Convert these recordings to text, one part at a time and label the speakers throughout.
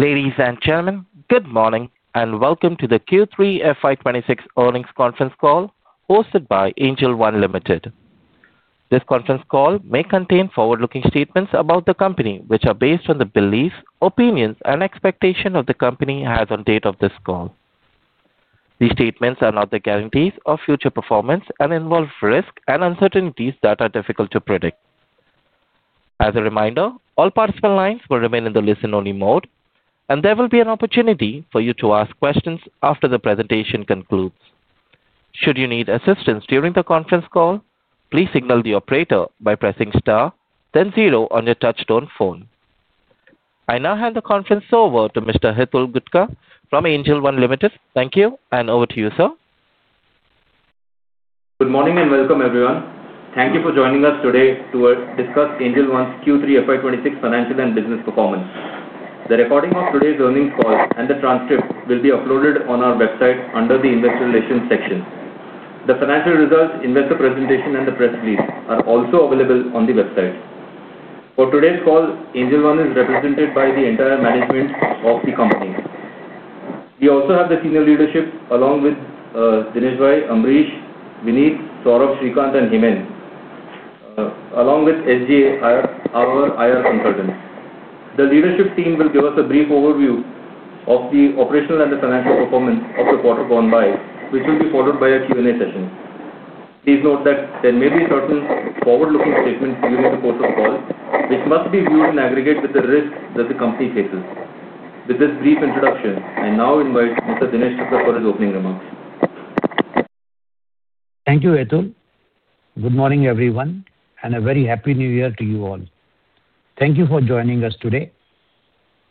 Speaker 1: Ladies and gentlemen, good morning and welcome to the Q3 FY 2026 earnings conference call hosted by Angel One Limited. This conference call may contain forward-looking statements about the company, which are based on the beliefs, opinions, and expectations the company has on the date of this call. These statements are not the guarantees of future performance and involve risks and uncertainties that are difficult to predict. As a reminder, all participant lines will remain in the listen-only mode, and there will be an opportunity for you to ask questions after the presentation concludes. Should you need assistance during the conference call, please signal the operator by pressing star, then zero on your touch-tone phone. I now hand the conference over to Mr. Hitul Gutka from Angel One Limited. Thank you, and over to you, sir.
Speaker 2: Good morning and welcome, everyone. Thank you for joining us today to discuss Angel One's Q3 FY 2026 financial and business performance. The recording of today's earnings call and the transcript will be uploaded on our website under the Investor Relations section. The financial results, investor presentation, and the press release are also available on the website. For today's call, Angel One is represented by the entire management of the company. We also have the senior leadership, along with Dinesh Bhai, Ambarish, Vineet, Saurabh, Srikanth, and Hemen, along with SGA IR consultants. The leadership team will give us a brief overview of the operational and the financial performance of the quarter gone by, which will be followed by a Q&A session. Please note that there may be certain forward-looking statements during the course of the call, which must be viewed in aggregate with the risks that the company faces. With this brief introduction, I now invite Mr. Dinesh to give his opening remarks.
Speaker 3: Thank you, Hitul. Good morning, everyone, and a very happy New Year to you all. Thank you for joining us today.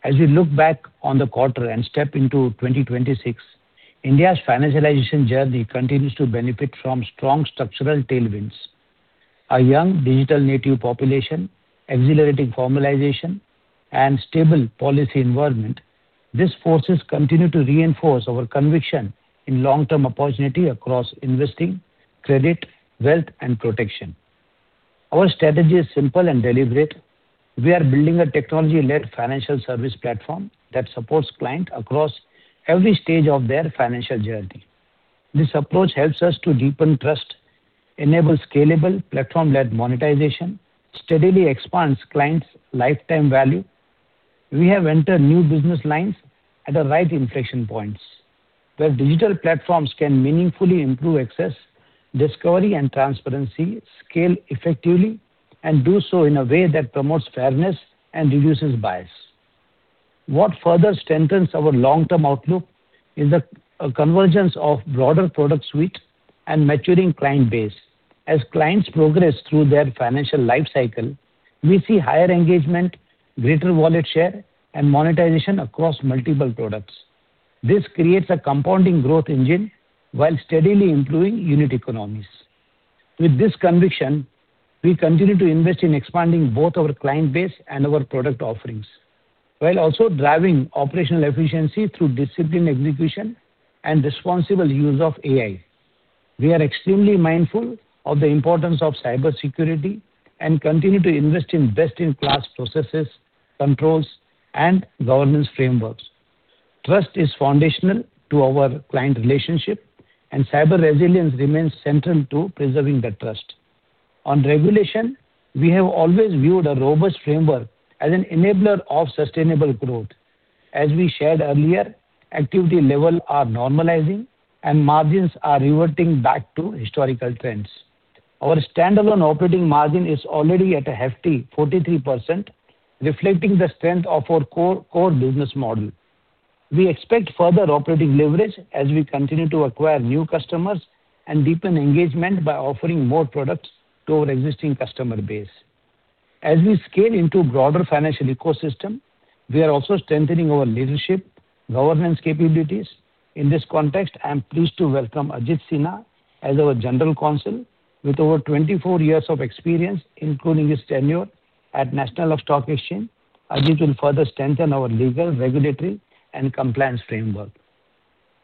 Speaker 3: As we look back on the quarter and step into 2026, India's financialization journey continues to benefit from strong structural tailwinds. A young digital native population, exhilarating formalization, and stable policy environment, these forces continue to reinforce our conviction in long-term opportunity across investing, credit, wealth, and protection. Our strategy is simple and deliberate. We are building a technology-led financial service platform that supports clients across every stage of their financial journey. This approach helps us to deepen trust, enable scalable platform-led monetization, and steadily expand clients' lifetime value. We have entered new business lines at the right inflection points, where digital platforms can meaningfully improve access, discovery, and transparency, scale effectively, and do so in a way that promotes fairness and reduces bias. What further strengthens our long-term outlook is the convergence of a broader product suite and maturing client base. As clients progress through their financial lifecycle, we see higher engagement, greater wallet share, and monetization across multiple products. This creates a compounding growth engine while steadily improving unit economies. With this conviction, we continue to invest in expanding both our client base and our product offerings, while also driving operational efficiency through disciplined execution and responsible use of AI. We are extremely mindful of the importance of cybersecurity and continue to invest in best-in-class processes, controls, and governance frameworks. Trust is foundational to our client relationship, and cyber resilience remains central to preserving that trust. On regulation, we have always viewed a robust framework as an enabler of sustainable growth. As we shared earlier, activity levels are normalizing, and margins are reverting back to historical trends. Our standalone operating margin is already at a hefty 43%, reflecting the strength of our core business model. We expect further operating leverage as we continue to acquire new customers and deepen engagement by offering more products to our existing customer base. As we scale into a broader financial ecosystem, we are also strengthening our leadership and governance capabilities. In this context, I'm pleased to welcome Ajit Sinha as our General Counsel, with over 24 years of experience, including his tenure at the National Stock Exchange. Ajit will further strengthen our legal, regulatory, and compliance framework.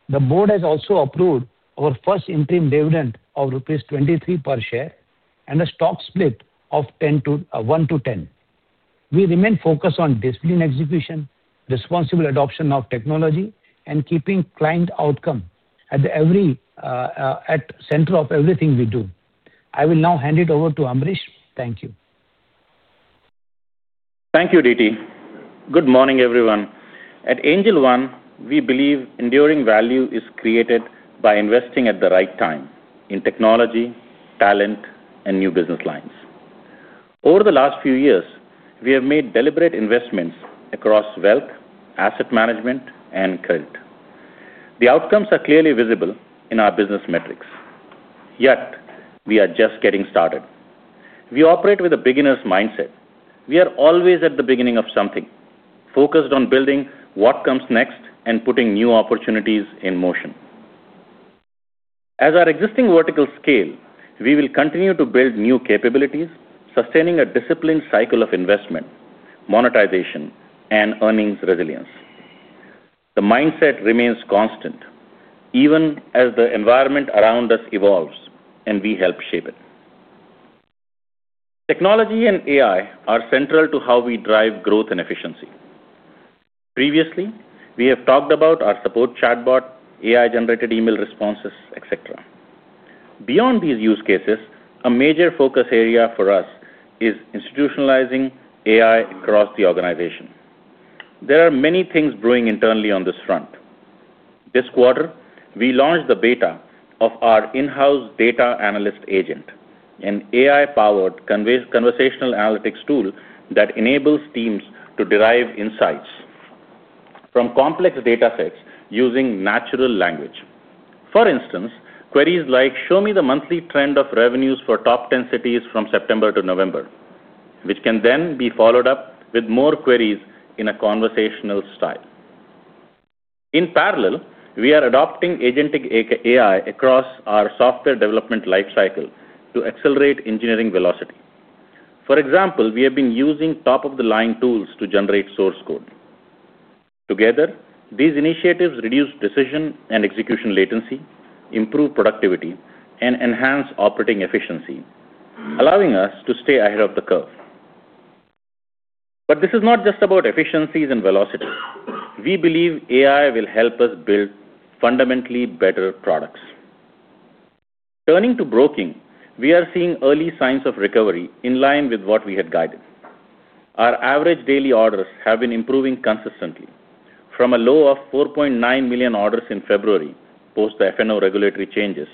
Speaker 3: The board has also approved our first interim dividend of rupees 23 per share and a stock split of 1-10. We remain focused on disciplined execution, responsible adoption of technology, and keeping client outcome at the center of everything we do. I will now hand it over to Ambarish. Thank you.
Speaker 4: Thank you, DT. Good morning, everyone. At Angel One, we believe enduring value is created by investing at the right time in technology, talent, and new business lines. Over the last few years, we have made deliberate investments across wealth, asset management, and credit. The outcomes are clearly visible in our business metrics. Yet, we are just getting started. We operate with a beginner's mindset. We are always at the beginning of something, focused on building what comes next and putting new opportunities in motion. As our existing verticals scale, we will continue to build new capabilities, sustaining a disciplined cycle of investment, monetization, and earnings resilience. The mindset remains constant, even as the environment around us evolves, and we help shape it. Technology and AI are central to how we drive growth and efficiency. Previously, we have talked about our support chatbot, AI-generated email responses, etc. Beyond these use cases, a major focus area for us is institutionalizing AI across the organization. There are many things brewing internally on this front. This quarter, we launched the beta of our in-house Data Analyst Agent, an AI-powered conversational analytics tool that enables teams to derive insights from complex data sets using natural language. For instance, queries like, "Show me the monthly trend of revenues for top 10 cities from September to November," which can then be followed up with more queries in a conversational style. In parallel, we are adopting agentic AI across our software development lifecycle to accelerate engineering velocity. For example, we have been using top-of-the-line tools to generate source code. Together, these initiatives reduce decision and execution latency, improve productivity, and enhance operating efficiency, allowing us to stay ahead of the curve. But this is not just about efficiencies and velocity. We believe AI will help us build fundamentally better products. Turning to broking, we are seeing early signs of recovery in line with what we had guided. Our average daily orders have been improving consistently, from a low of 4.9 million orders in February post the F&O regulatory changes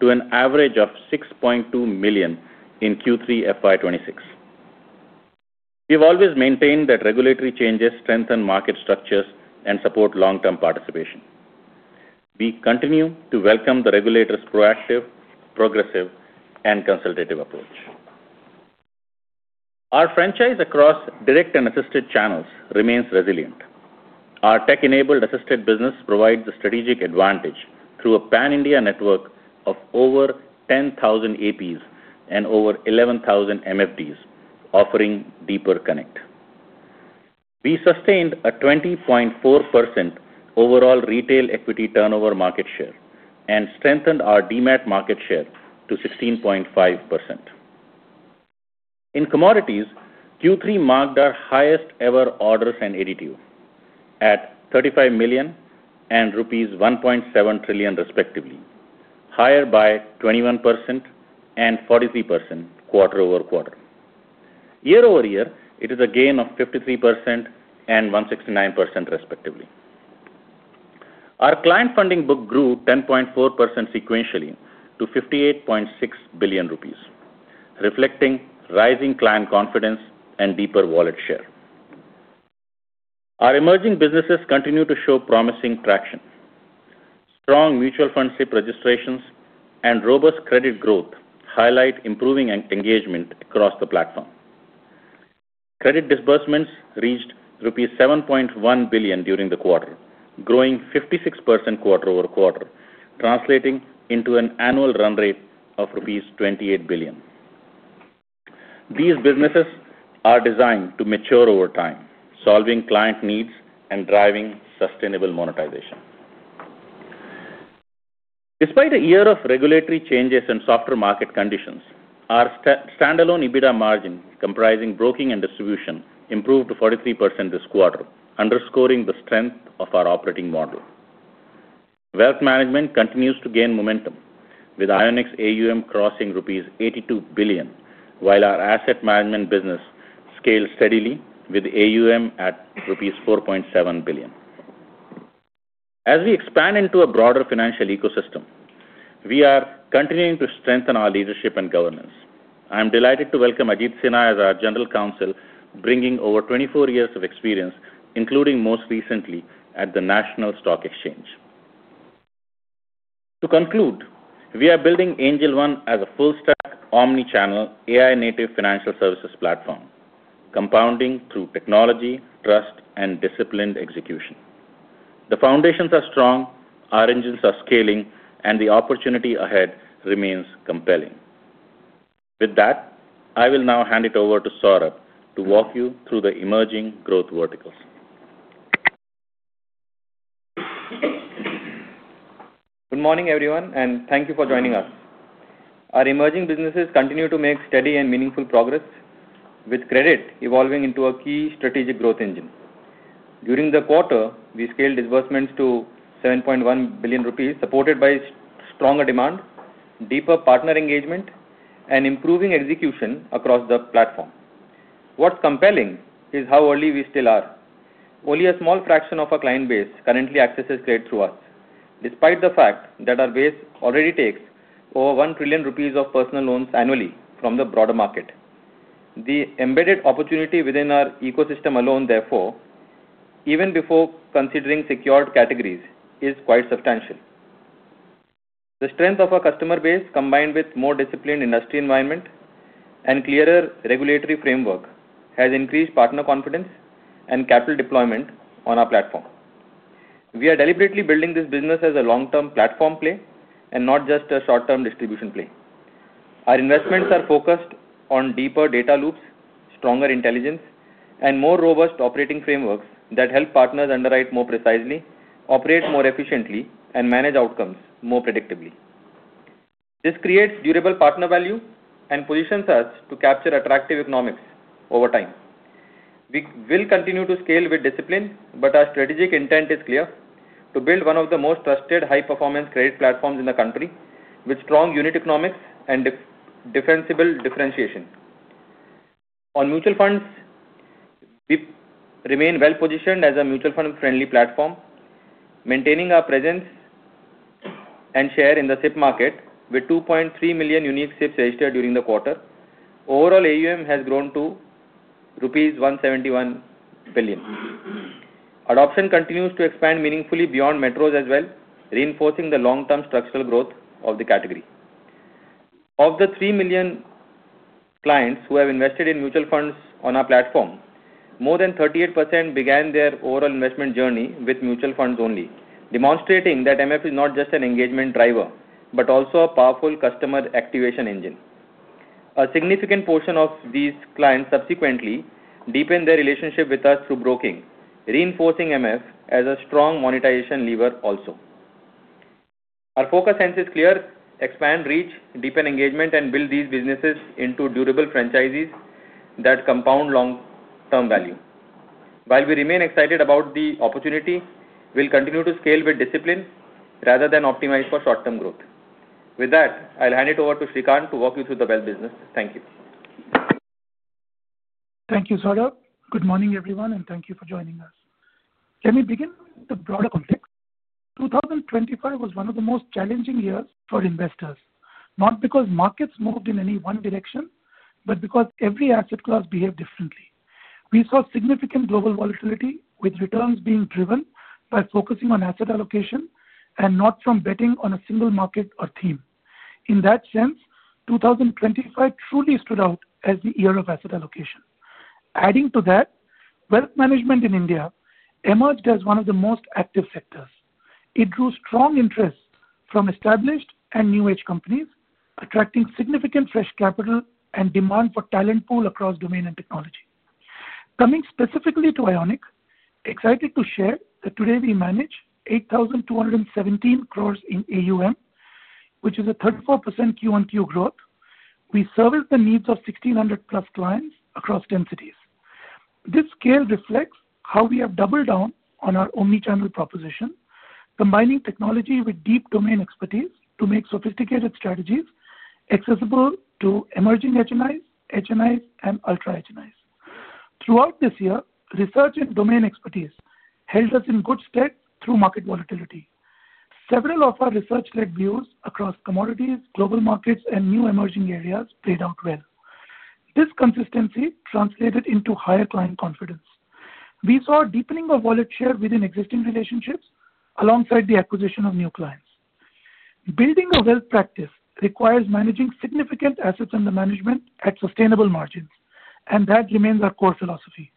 Speaker 4: to an average of 6.2 million in Q3 FY 2026. We have always maintained that regulatory changes strengthen market structures and support long-term participation. We continue to welcome the regulator's proactive, progressive, and consultative approach. Our franchise across direct and assisted channels remains resilient. Our tech-enabled assisted business provides a strategic advantage through a pan-India network of over 10,000 APs and over 11,000 MFDs, offering deeper connect. We sustained a 20.4% overall retail equity turnover market share and strengthened our Demat market share to 16.5%. In commodities, Q3 marked our highest-ever orders and advances at 35 million and rupees 1.7 trillion, respectively, higher by 21% and 43% quarter-over-quarter. Year-over-year, it is a gain of 53% and 169%, respectively. Our client funding book grew 10.4% sequentially to 58.6 billion rupees, reflecting rising client confidence and deeper wallet share. Our emerging businesses continue to show promising traction. Strong mutual fund SIP registrations and robust credit growth highlight improving engagement across the platform. Credit disbursements reached rupees 7.1 billion during the quarter, growing 56% quarter-over-quarter, translating into an annual run rate of rupees 28 billion. These businesses are designed to mature over time, solving client needs and driving sustainable monetization. Despite a year of regulatory changes and softer market conditions, our standalone EBITDA margin, comprising broking and distribution, improved to 43% this quarter, underscoring the strength of our operating model. Wealth management continues to gain momentum, with Onyx AUM crossing rupees 82 billion, while our asset management business scales steadily, with AUM at rupees 4.7 billion. As we expand into a broader financial ecosystem, we are continuing to strengthen our leadership and governance. I'm delighted to welcome Ajit Sinha as our General Counsel, bringing over 24 years of experience, including most recently at the National Stock Exchange. To conclude, we are building Angel One as a full-stack, omnichannel AI-native financial services platform, compounding through technology, trust, and disciplined execution. The foundations are strong, our engines are scaling, and the opportunity ahead remains compelling. With that, I will now hand it over to Saurabh to walk you through the emerging growth verticals.
Speaker 5: Good morning, everyone, and thank you for joining us. Our emerging businesses continue to make steady and meaningful progress, with credit evolving into a key strategic growth engine. During the quarter, we scaled disbursements to 7.1 billion rupees, supported by stronger demand, deeper partner engagement, and improving execution across the platform. What's compelling is how early we still are. Only a small fraction of our client base currently accesses credit through us, despite the fact that our base already takes over 1 trillion rupees of personal loans annually from the broader market. The embedded opportunity within our ecosystem alone, therefore, even before considering secured categories, is quite substantial. The strength of our customer base, combined with more disciplined industry environment and clearer regulatory framework, has increased partner confidence and capital deployment on our platform. We are deliberately building this business as a long-term platform play and not just a short-term distribution play. Our investments are focused on deeper data loops, stronger intelligence, and more robust operating frameworks that help partners underwrite more precisely, operate more efficiently, and manage outcomes more predictably. This creates durable partner value and positions us to capture attractive economics over time. We will continue to scale with discipline, but our strategic intent is clear: to build one of the most trusted high-performance credit platforms in the country, with strong unit economics and defensible differentiation. On mutual funds, we remain well-positioned as a mutual fund-friendly platform, maintaining our presence and share in the SIP market, with 2.3 million unique SIPs registered during the quarter. Overall, AUM has grown to rupees 171 billion. Adoption continues to expand meaningfully beyond metros as well, reinforcing the long-term structural growth of the category. Of the 3 million clients who have invested in mutual funds on our platform, more than 38% began their overall investment journey with mutual funds only, demonstrating that MF is not just an engagement driver, but also a powerful customer activation engine. A significant portion of these clients subsequently deepened their relationship with us through broking, reinforcing MF as a strong monetization lever also. Our focus hence is clear: expand, reach, deepen engagement, and build these businesses into durable franchises that compound long-term value. While we remain excited about the opportunity, we'll continue to scale with discipline rather than optimize for short-term growth. With that, I'll hand it over to Srikanth to walk you through the wealth business. Thank you.
Speaker 6: Thank you, Saurabh. Good morning, everyone, and thank you for joining us. Let me begin with the broader context. 2025 was one of the most challenging years for investors, not because markets moved in any one direction, but because every asset class behaved differently. We saw significant global volatility, with returns being driven by focusing on asset allocation and not from betting on a single market or theme. In that sense, 2025 truly stood out as the year of asset allocation. Adding to that, wealth management in India emerged as one of the most active sectors. It drew strong interest from established and new-age companies, attracting significant fresh capital and demand for talent pool across domain and technology. Coming specifically to Onyx, excited to share that today we manage 8,217 crores in AUM, which is a 34% QoQ growth. We service the needs of 1,600+ clients across 10 cities. This scale reflects how we have doubled down on our omnichannel proposition, combining technology with deep domain expertise to make sophisticated strategies accessible to emerging HNIs, HNIs, and ultra HNIs. Throughout this year, research and domain expertise held us in good stead through market volatility. Several of our research-led views across commodities, global markets, and new emerging areas played out well. This consistency translated into higher client confidence. We saw a deepening of wallet share within existing relationships alongside the acquisition of new clients. Building a wealth practice requires managing significant assets under management at sustainable margins, and that remains our core philosophy.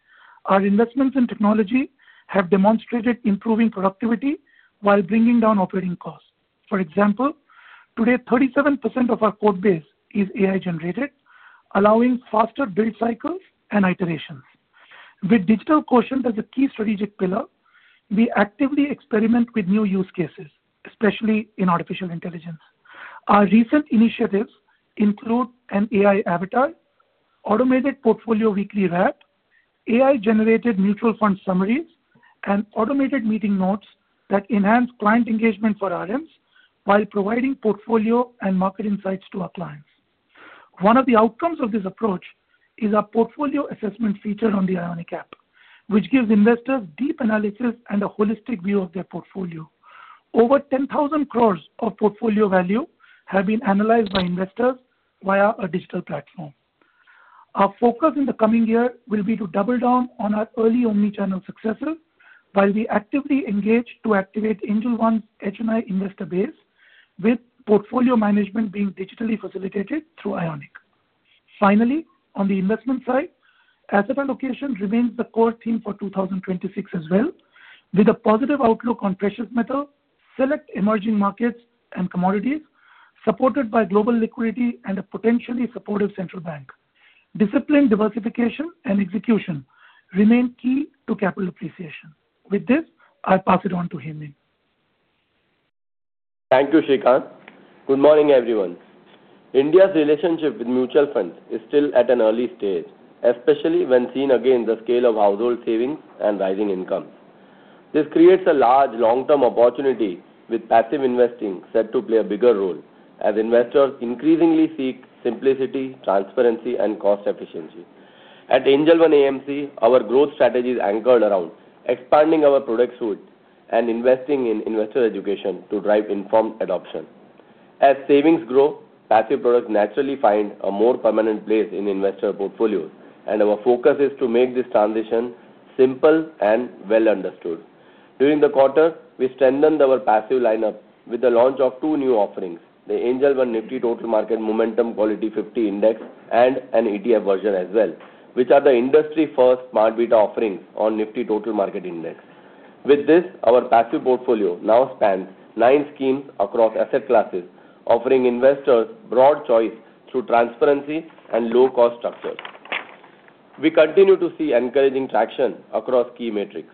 Speaker 6: Our investments in technology have demonstrated improving productivity while bringing down operating costs. For example, today, 37% of our code base is AI-generated, allowing faster build cycles and iterations. With digital quotient as a key strategic pillar, we actively experiment with new use cases, especially in artificial intelligence. Our recent initiatives include an AI avatar, automated portfolio weekly wrap, AI-generated mutual fund summaries, and automated meeting notes that enhance client engagement for RMs while providing portfolio and market insights to our clients. One of the outcomes of this approach is our portfolio assessment feature on the Onyx app, which gives investors deep analysis and a holistic view of their portfolio. Over 10,000 crores of portfolio value have been analyzed by investors via a digital platform. Our focus in the coming year will be to double down on our early omnichannel successes while we actively engage to activate Angel One's HNI investor base, with portfolio management being digitally facilitated through Onyx. Finally, on the investment side, asset allocation remains the core theme for 2026 as well, with a positive outlook on precious metal, select emerging markets, and commodities supported by global liquidity and a potentially supportive central bank. Discipline, diversification, and execution remain key to capital appreciation. With this, I pass it on to Hemen.
Speaker 7: Thank you, Srikanth. Good morning, everyone. India's relationship with mutual funds is still at an early stage, especially when seen against the scale of household savings and rising incomes. This creates a large long-term opportunity, with passive investing set to play a bigger role as investors increasingly seek simplicity, transparency, and cost efficiency. At Angel One AMC, our growth strategy is anchored around expanding our product suite and investing in investor education to drive informed adoption. As savings grow, passive products naturally find a more permanent place in investor portfolios, and our focus is to make this transition simple and well understood. During the quarter, we strengthened our passive lineup with the launch of two new offerings: the Angel One Nifty Total Market Momentum Quality 50 Index and an ETF version as well, which are the industry-first smart beta offerings on Nifty Total Market Index. With this, our passive portfolio now spans nine schemes across asset classes, offering investors broad choice through transparency and low-cost structures. We continue to see encouraging traction across key metrics.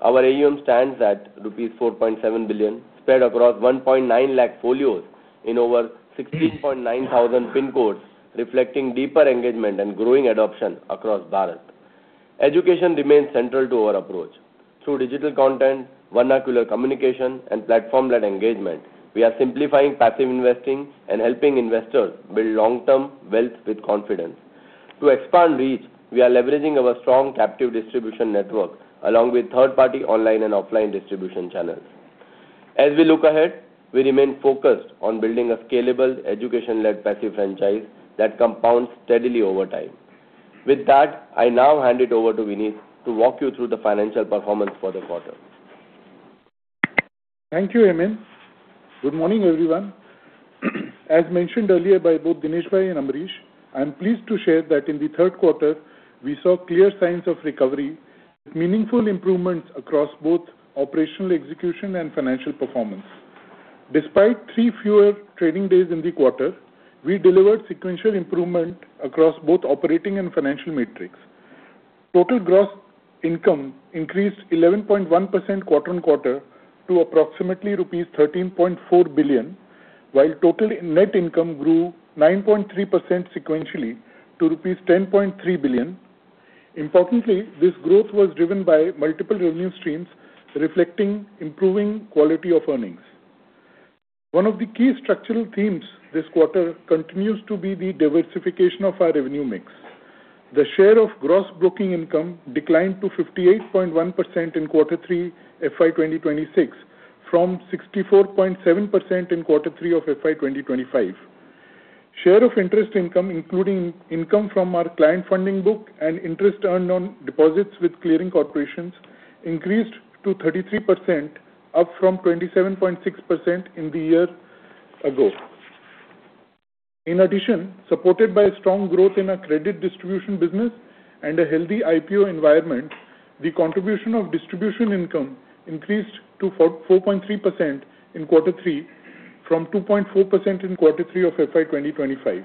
Speaker 7: Our AUM stands at INR 4.7 billion, spread across 1.9 lakh folios in over 16,900 PIN codes, reflecting deeper engagement and growing adoption across Bharat. Education remains central to our approach. Through digital content, vernacular communication, and platform-led engagement, we are simplifying passive investing and helping investors build long-term wealth with confidence. To expand reach, we are leveraging our strong captive distribution network along with third-party online and offline distribution channels. As we look ahead, we remain focused on building a scalable education-led passive franchise that compounds steadily over time. With that, I now hand it over to Vineet to walk you through the financial performance for the quarter.
Speaker 8: Thank you, Hemen. Good morning, everyone. As mentioned earlier by both Dinesh Bhai and Ambarish, I'm pleased to share that in the third quarter, we saw clear signs of recovery with meaningful improvements across both operational execution and financial performance. Despite three fewer trading days in the quarter, we delivered sequential improvement across both operating and financial metrics. Total gross income increased 11.1% quarter on quarter to approximately rupees 13.4 billion, while total net income grew 9.3% sequentially to rupees 10.3 billion. Importantly, this growth was driven by multiple revenue streams, reflecting improving quality of earnings. One of the key structural themes this quarter continues to be the diversification of our revenue mix. The share of gross broking income declined to 58.1% in Q3 FY 2026 from 64.7% in Q3 of FY 2025. Share of interest income, including income from our client funding book and interest earned on deposits with clearing corporations, increased to 33%, up from 27.6% in the year ago. In addition, supported by strong growth in our credit distribution business and a healthy IPO environment, the contribution of distribution income increased to 4.3% in Q3 from 2.4% in Q3 of FY 2025.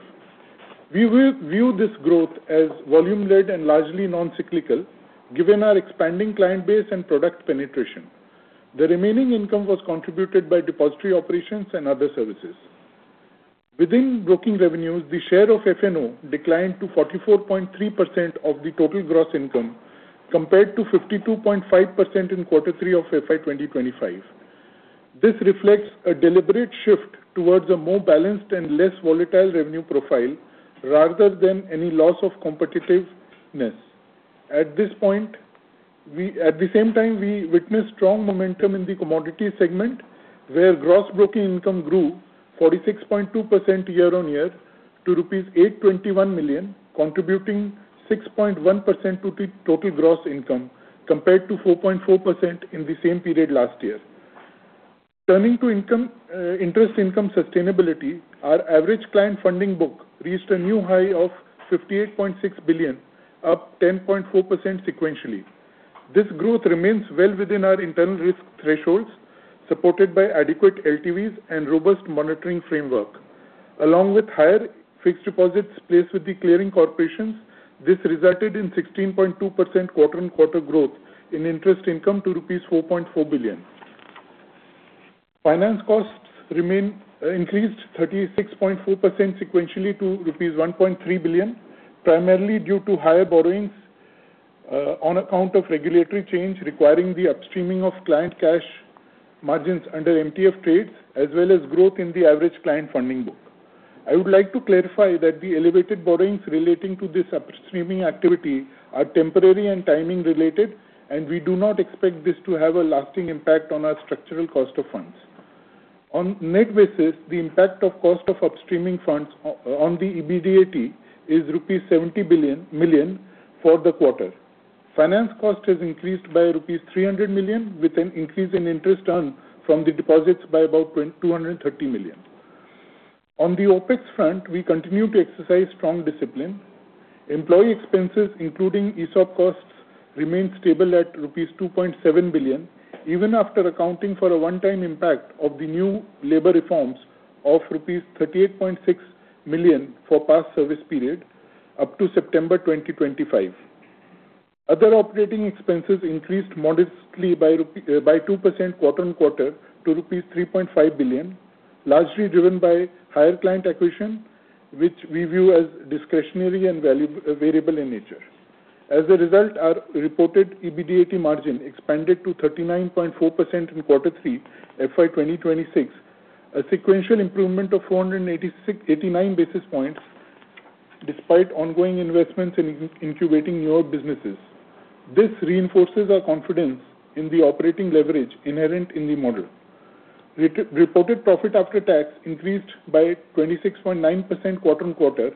Speaker 8: We view this growth as volume-led and largely non-cyclical, given our expanding client base and product penetration. The remaining income was contributed by depository operations and other services. Within broking revenues, the share of F&O declined to 44.3% of the total gross income, compared to 52.5% in Q3 of FY 2025. This reflects a deliberate shift towards a more balanced and less volatile revenue profile rather than any loss of competitiveness. At this point, at the same time, we witnessed strong momentum in the commodity segment, where gross broking income grew 46.2% year-on-year to 821 million rupees, contributing 6.1% to total gross income, compared to 4.4% in the same period last year. Turning to interest income sustainability, our average client funding book reached a new high of 58.6 billion, up 10.4% sequentially. This growth remains well within our internal risk thresholds, supported by adequate LTVs and robust monitoring framework. Along with higher fixed deposits placed with the clearing corporations, this resulted in 16.2% quarter-on-quarter growth in interest income to rupees 4.4 billion. Finance costs increased 36.4% sequentially to rupees 1.3 billion, primarily due to higher borrowings on account of regulatory change requiring the upstreaming of client cash margins under MTF trades, as well as growth in the average client funding book. I would like to clarify that the elevated borrowings relating to this upstreaming activity are temporary and timing-related, and we do not expect this to have a lasting impact on our structural cost of funds. On net basis, the impact of cost of upstreaming funds on the EBDAT is rupees 70 million for the quarter. Finance cost has increased by rupees 300 million, with an increase in interest earned from the deposits by about 230 million. On the OpEx front, we continue to exercise strong discipline. Employee expenses, including ESOP costs, remain stable at rupees 2.7 billion, even after accounting for a one-time impact of the new labor reforms of rupees 38.6 million for past service period up to September 2025. Other operating expenses increased modestly by 2% quarter-on-quarter to rupees 3.5 billion, largely driven by higher client acquisition, which we view as discretionary and variable in nature. As a result, our reported EBDAT margin expanded to 39.4% in Q3 FY 2026, a sequential improvement of 489 basis points despite ongoing investments in incubating newer businesses. This reinforces our confidence in the operating leverage inherent in the model. Reported profit after tax increased by 26.9% quarter-on-quarter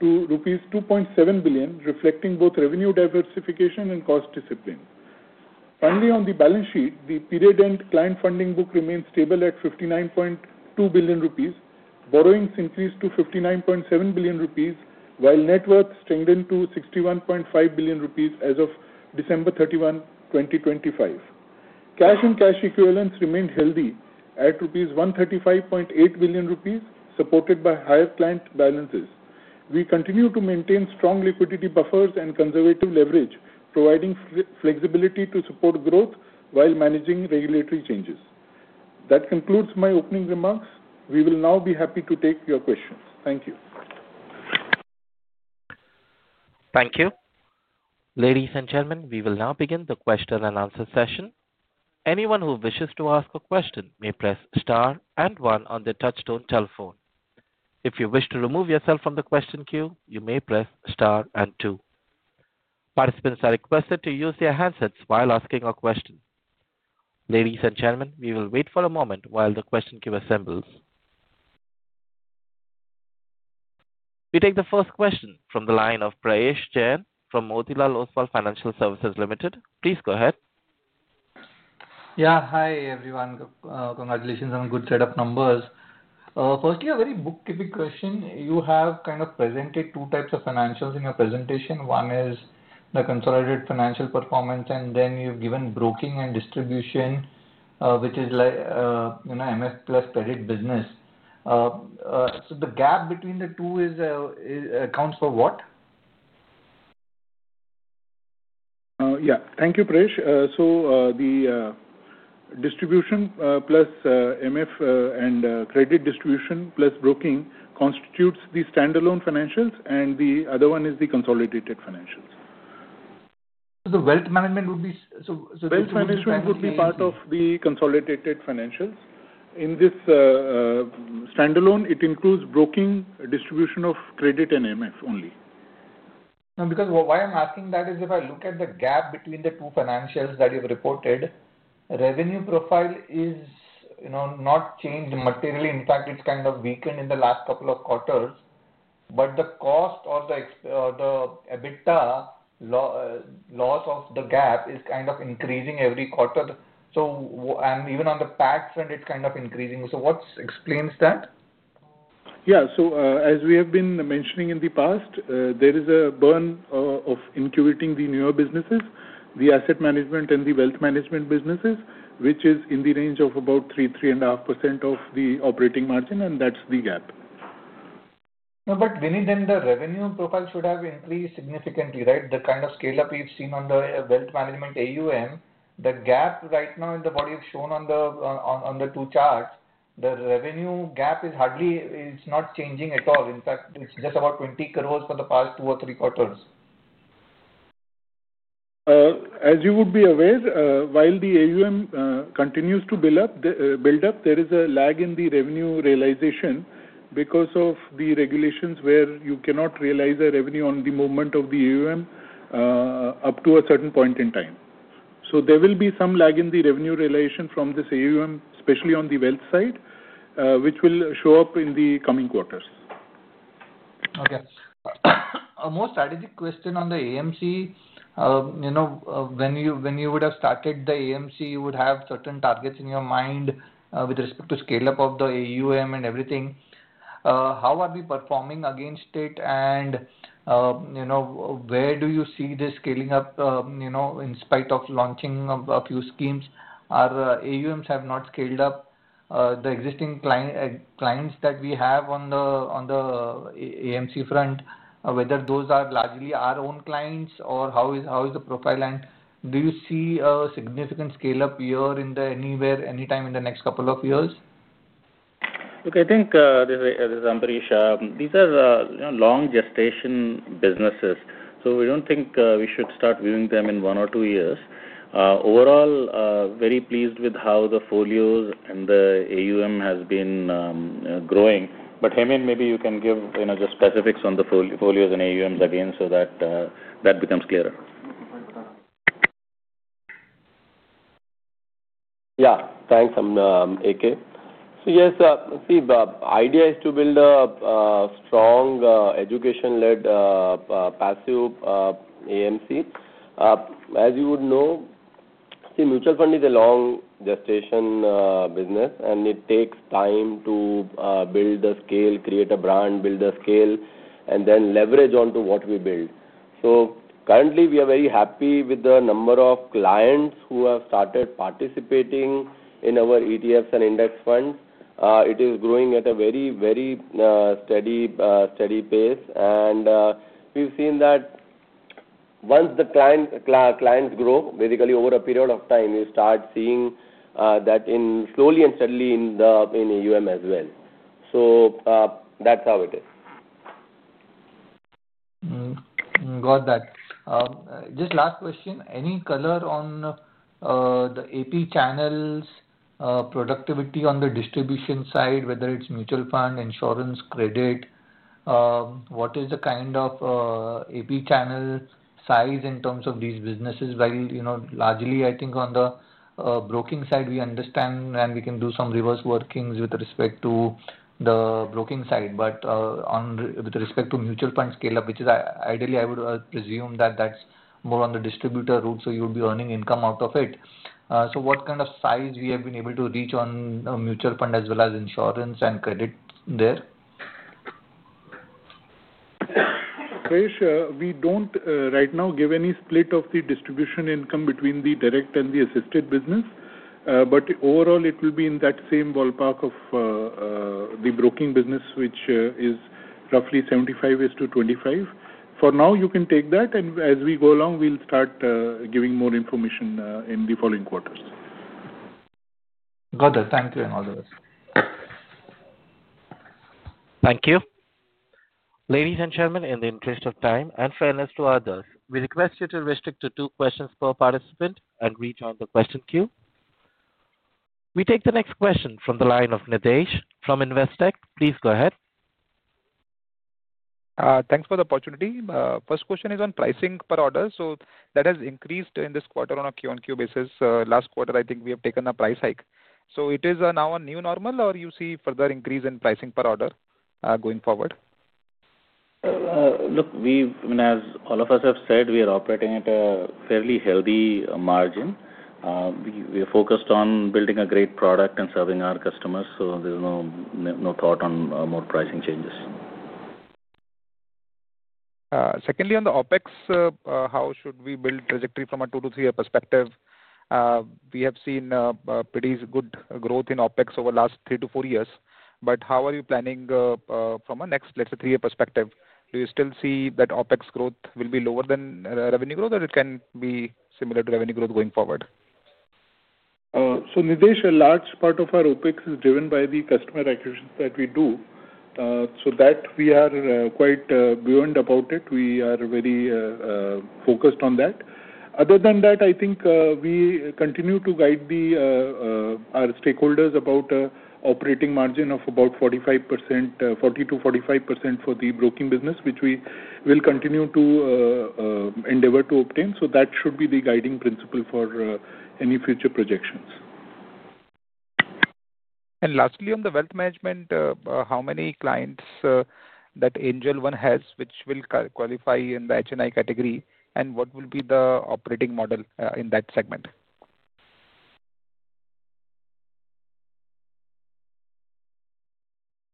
Speaker 8: to rupees 2.7 billion, reflecting both revenue diversification and cost discipline. Finally, on the balance sheet, the period-end client funding book remains stable at 59.2 billion rupees. Borrowings increased to 59.7 billion rupees, while net worth strengthened to 61.5 billion rupees as of December 31, 2025. Cash and cash equivalents remained healthy at 135.8 billion rupees, supported by higher client balances. We continue to maintain strong liquidity buffers and conservative leverage, providing flexibility to support growth while managing regulatory changes. That concludes my opening remarks. We will now be happy to take your questions. Thank you.
Speaker 1: Thank you. Ladies and gentlemen, we will now begin the question and answer session. Anyone who wishes to ask a question may press star and one on the touch-tone telephone. If you wish to remove yourself from the question queue, you may press star and two. Participants are requested to use their handsets while asking a question. Ladies and gentlemen, we will wait for a moment while the question queue assembles. We take the first question from the line of Prayesh Jain from Motilal Oswal Financial Services Limited. Please go ahead.
Speaker 9: Yeah, hi everyone. Congratulations on a good set of numbers. Firstly, a very book-typical question. You have kind of presented two types of financials in your presentation. One is the consolidated financial performance, and then you've given broking and distribution, which is MF plus credit business. So the gap between the two accounts for what?
Speaker 8: Yeah, thank you, Prayesh. So the distribution plus MF and credit distribution plus broking constitutes the standalone financials, and the other one is the consolidated financials.
Speaker 9: So the wealth management.
Speaker 8: Wealth management would be part of the consolidated financials. In this standalone, it includes broking, distribution of credit, and MF only.
Speaker 9: No, because why I'm asking that is if I look at the gap between the two financials that you've reported, revenue profile is not changed materially. In fact, it's kind of weakened in the last couple of quarters. But the cost or the EBITDA loss of the gap is kind of increasing every quarter. And even on the PAC front, it's kind of increasing. So what explains that?
Speaker 8: Yeah, so as we have been mentioning in the past, there is a burn of incubating the newer businesses, the asset management and the wealth management businesses, which is in the range of about 3%-3.5% of the operating margin, and that's the gap.
Speaker 9: But Vinneesh, then the revenue profile should have increased significantly, right? The kind of scale-up we've seen on the wealth management AUM, the gap right now in the body of shown on the two charts, the revenue gap is hardly, it's not changing at all. In fact, it's just about 20 crores for the past two or three quarters.
Speaker 8: As you would be aware, while the AUM continues to build up, there is a lag in the revenue realization because of the regulations where you cannot realize a revenue on the movement of the AUM up to a certain point in time. So there will be some lag in the revenue realization from this AUM, especially on the wealth side, which will show up in the coming quarters.
Speaker 9: Okay. A more strategic question on the AMC. When you would have started the AMC, you would have certain targets in your mind with respect to scale-up of the AUM and everything. How are we performing against it? And where do you see this scaling up in spite of launching a few schemes? Are AUMs have not scaled up? The existing clients that we have on the AMC front, whether those are largely our own clients or how is the profile? And do you see a significant scale-up year anywhere, anytime in the next couple of years?
Speaker 4: Look, I think, this is Ambarish, these are long gestation businesses. So we don't think we should start viewing them in one or two years. Overall, very pleased with how the folios and the AUM has been growing. But Hemen, maybe you can give just specifics on the folios and AUMs again so that that becomes clearer.
Speaker 7: Yeah, thanks. I'm AK. So yes, see, the idea is to build a strong education-led passive AMC. As you would know, see, mutual fund is a long gestation business, and it takes time to build the scale, create a brand, build the scale, and then leverage onto what we build. So currently, we are very happy with the number of clients who have started participating in our ETFs and index funds. It is growing at a very, very steady pace. And we've seen that once the clients grow, basically over a period of time, you start seeing that slowly and steadily in the AUM as well. So that's how it is.
Speaker 9: Got that. Just last question. Any color on the AP channels' productivity on the distribution side, whether it's mutual fund, insurance, credit? What is the kind of AP channel size in terms of these businesses? While largely, I think on the broking side, we understand and we can do some reverse workings with respect to the broking side. But with respect to mutual fund scale-up, which is ideally, I would presume that that's more on the distributor route, so you would be earning income out of it. So what kind of size we have been able to reach on mutual fund as well as insurance and credit there?
Speaker 8: Prayesh, we don't right now give any split of the distribution income between the direct and the assisted business. But overall, it will be in that same ballpark of the broking business, which is roughly 75%-25%. For now, you can take that. And as we go along, we'll start giving more information in the following quarters.
Speaker 9: Got it. Thank you and all the best.
Speaker 1: Thank you. Ladies and gentlemen, in the interest of time and fairness to others, we request you to restrict to two questions per participant and rejoin the question queue. We take the next question from the line of Nitesh from Investec. Please go ahead.
Speaker 10: Thanks for the opportunity. First question is on pricing per order. So that has increased in this quarter on a Q&Q basis. Last quarter, I think we have taken a price hike. So it is now a new normal, or you see further increase in pricing per order going forward?
Speaker 3: Look, as all of us have said, we are operating at a fairly healthy margin. We are focused on building a great product and serving our customers. So there's no thought on more pricing changes.
Speaker 10: Secondly, on the OpEx, how should we build trajectory from a two to three-year perspective? We have seen pretty good growth in OpEx over the last three to four years. But how are you planning from a next, let's say, three-year perspective? Do you still see that OpEx growth will be lower than revenue growth, or it can be similar to revenue growth going forward?
Speaker 8: So Nitesh, a large part of our OpEx is driven by the customer acquisitions that we do. So that we are quite burned about it. We are very focused on that. Other than that, I think we continue to guide our stakeholders about operating margin of about 45%, 40%-45% for the broking business, which we will continue to endeavor to obtain. So that should be the guiding principle for any future projections.
Speaker 10: Lastly, on the wealth management, how many clients that Angel One has, which will qualify in the H&I category, and what will be the operating model in that segment?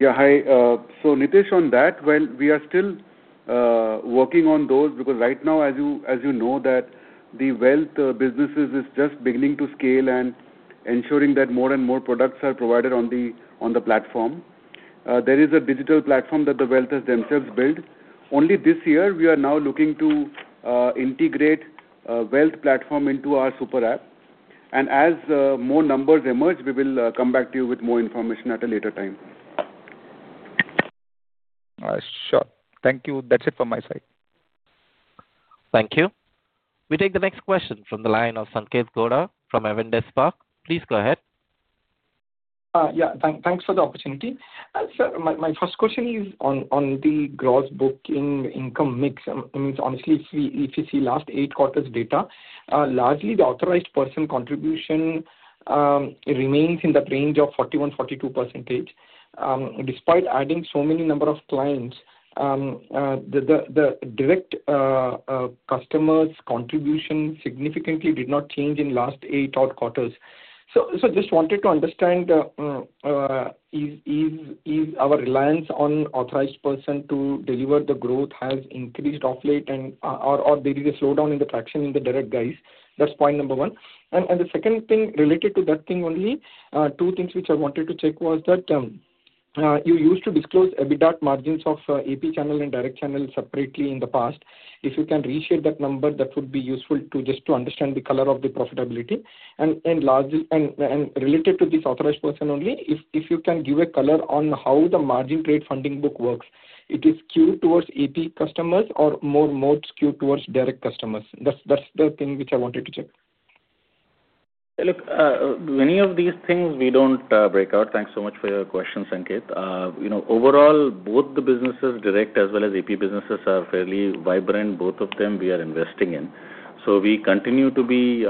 Speaker 3: Yeah, hi. So, Nitesh, on that, well, we are still working on those because right now, as you know, the wealth businesses is just beginning to scale and ensuring that more and more products are provided on the platform. There is a digital platform that the wealth has themselves built. Only this year, we are now looking to integrate a wealth platform into our super app. And as more numbers emerge, we will come back to you with more information at a later time.
Speaker 10: Sure. Thank you. That's it from my side.
Speaker 1: Thank you. We take the next question from the line of Sanketh Godha from Avendus Spark. Please go ahead.
Speaker 11: Yeah, thanks for the opportunity. My first question is on the gross booking income mix. I mean, honestly, if you see last eight quarters' data, largely the authorized person contribution remains in that range of 41%-42%. Despite adding so many number of clients, the direct customers' contribution significantly did not change in last eight quarters. So just wanted to understand if our reliance on authorized person to deliver the growth has increased off late or there is a slowdown in the traction in the direct guys. That's point number one, and the second thing related to that thing only, two things which I wanted to check was that you used to disclose EBITDA margins of AP channel and direct channel separately in the past. If you can reshare that number, that would be useful just to understand the color of the profitability. Related to this authorized person only, if you can give a color on how the margin trade funding book works, it is geared towards AP customers or more skewed towards direct customers. That's the thing which I wanted to check.
Speaker 3: Look, many of these things we don't break out. Thanks so much for your question, Sanketh. Overall, both the businesses, direct as well as AP businesses, are fairly vibrant. Both of them we are investing in. So we continue to be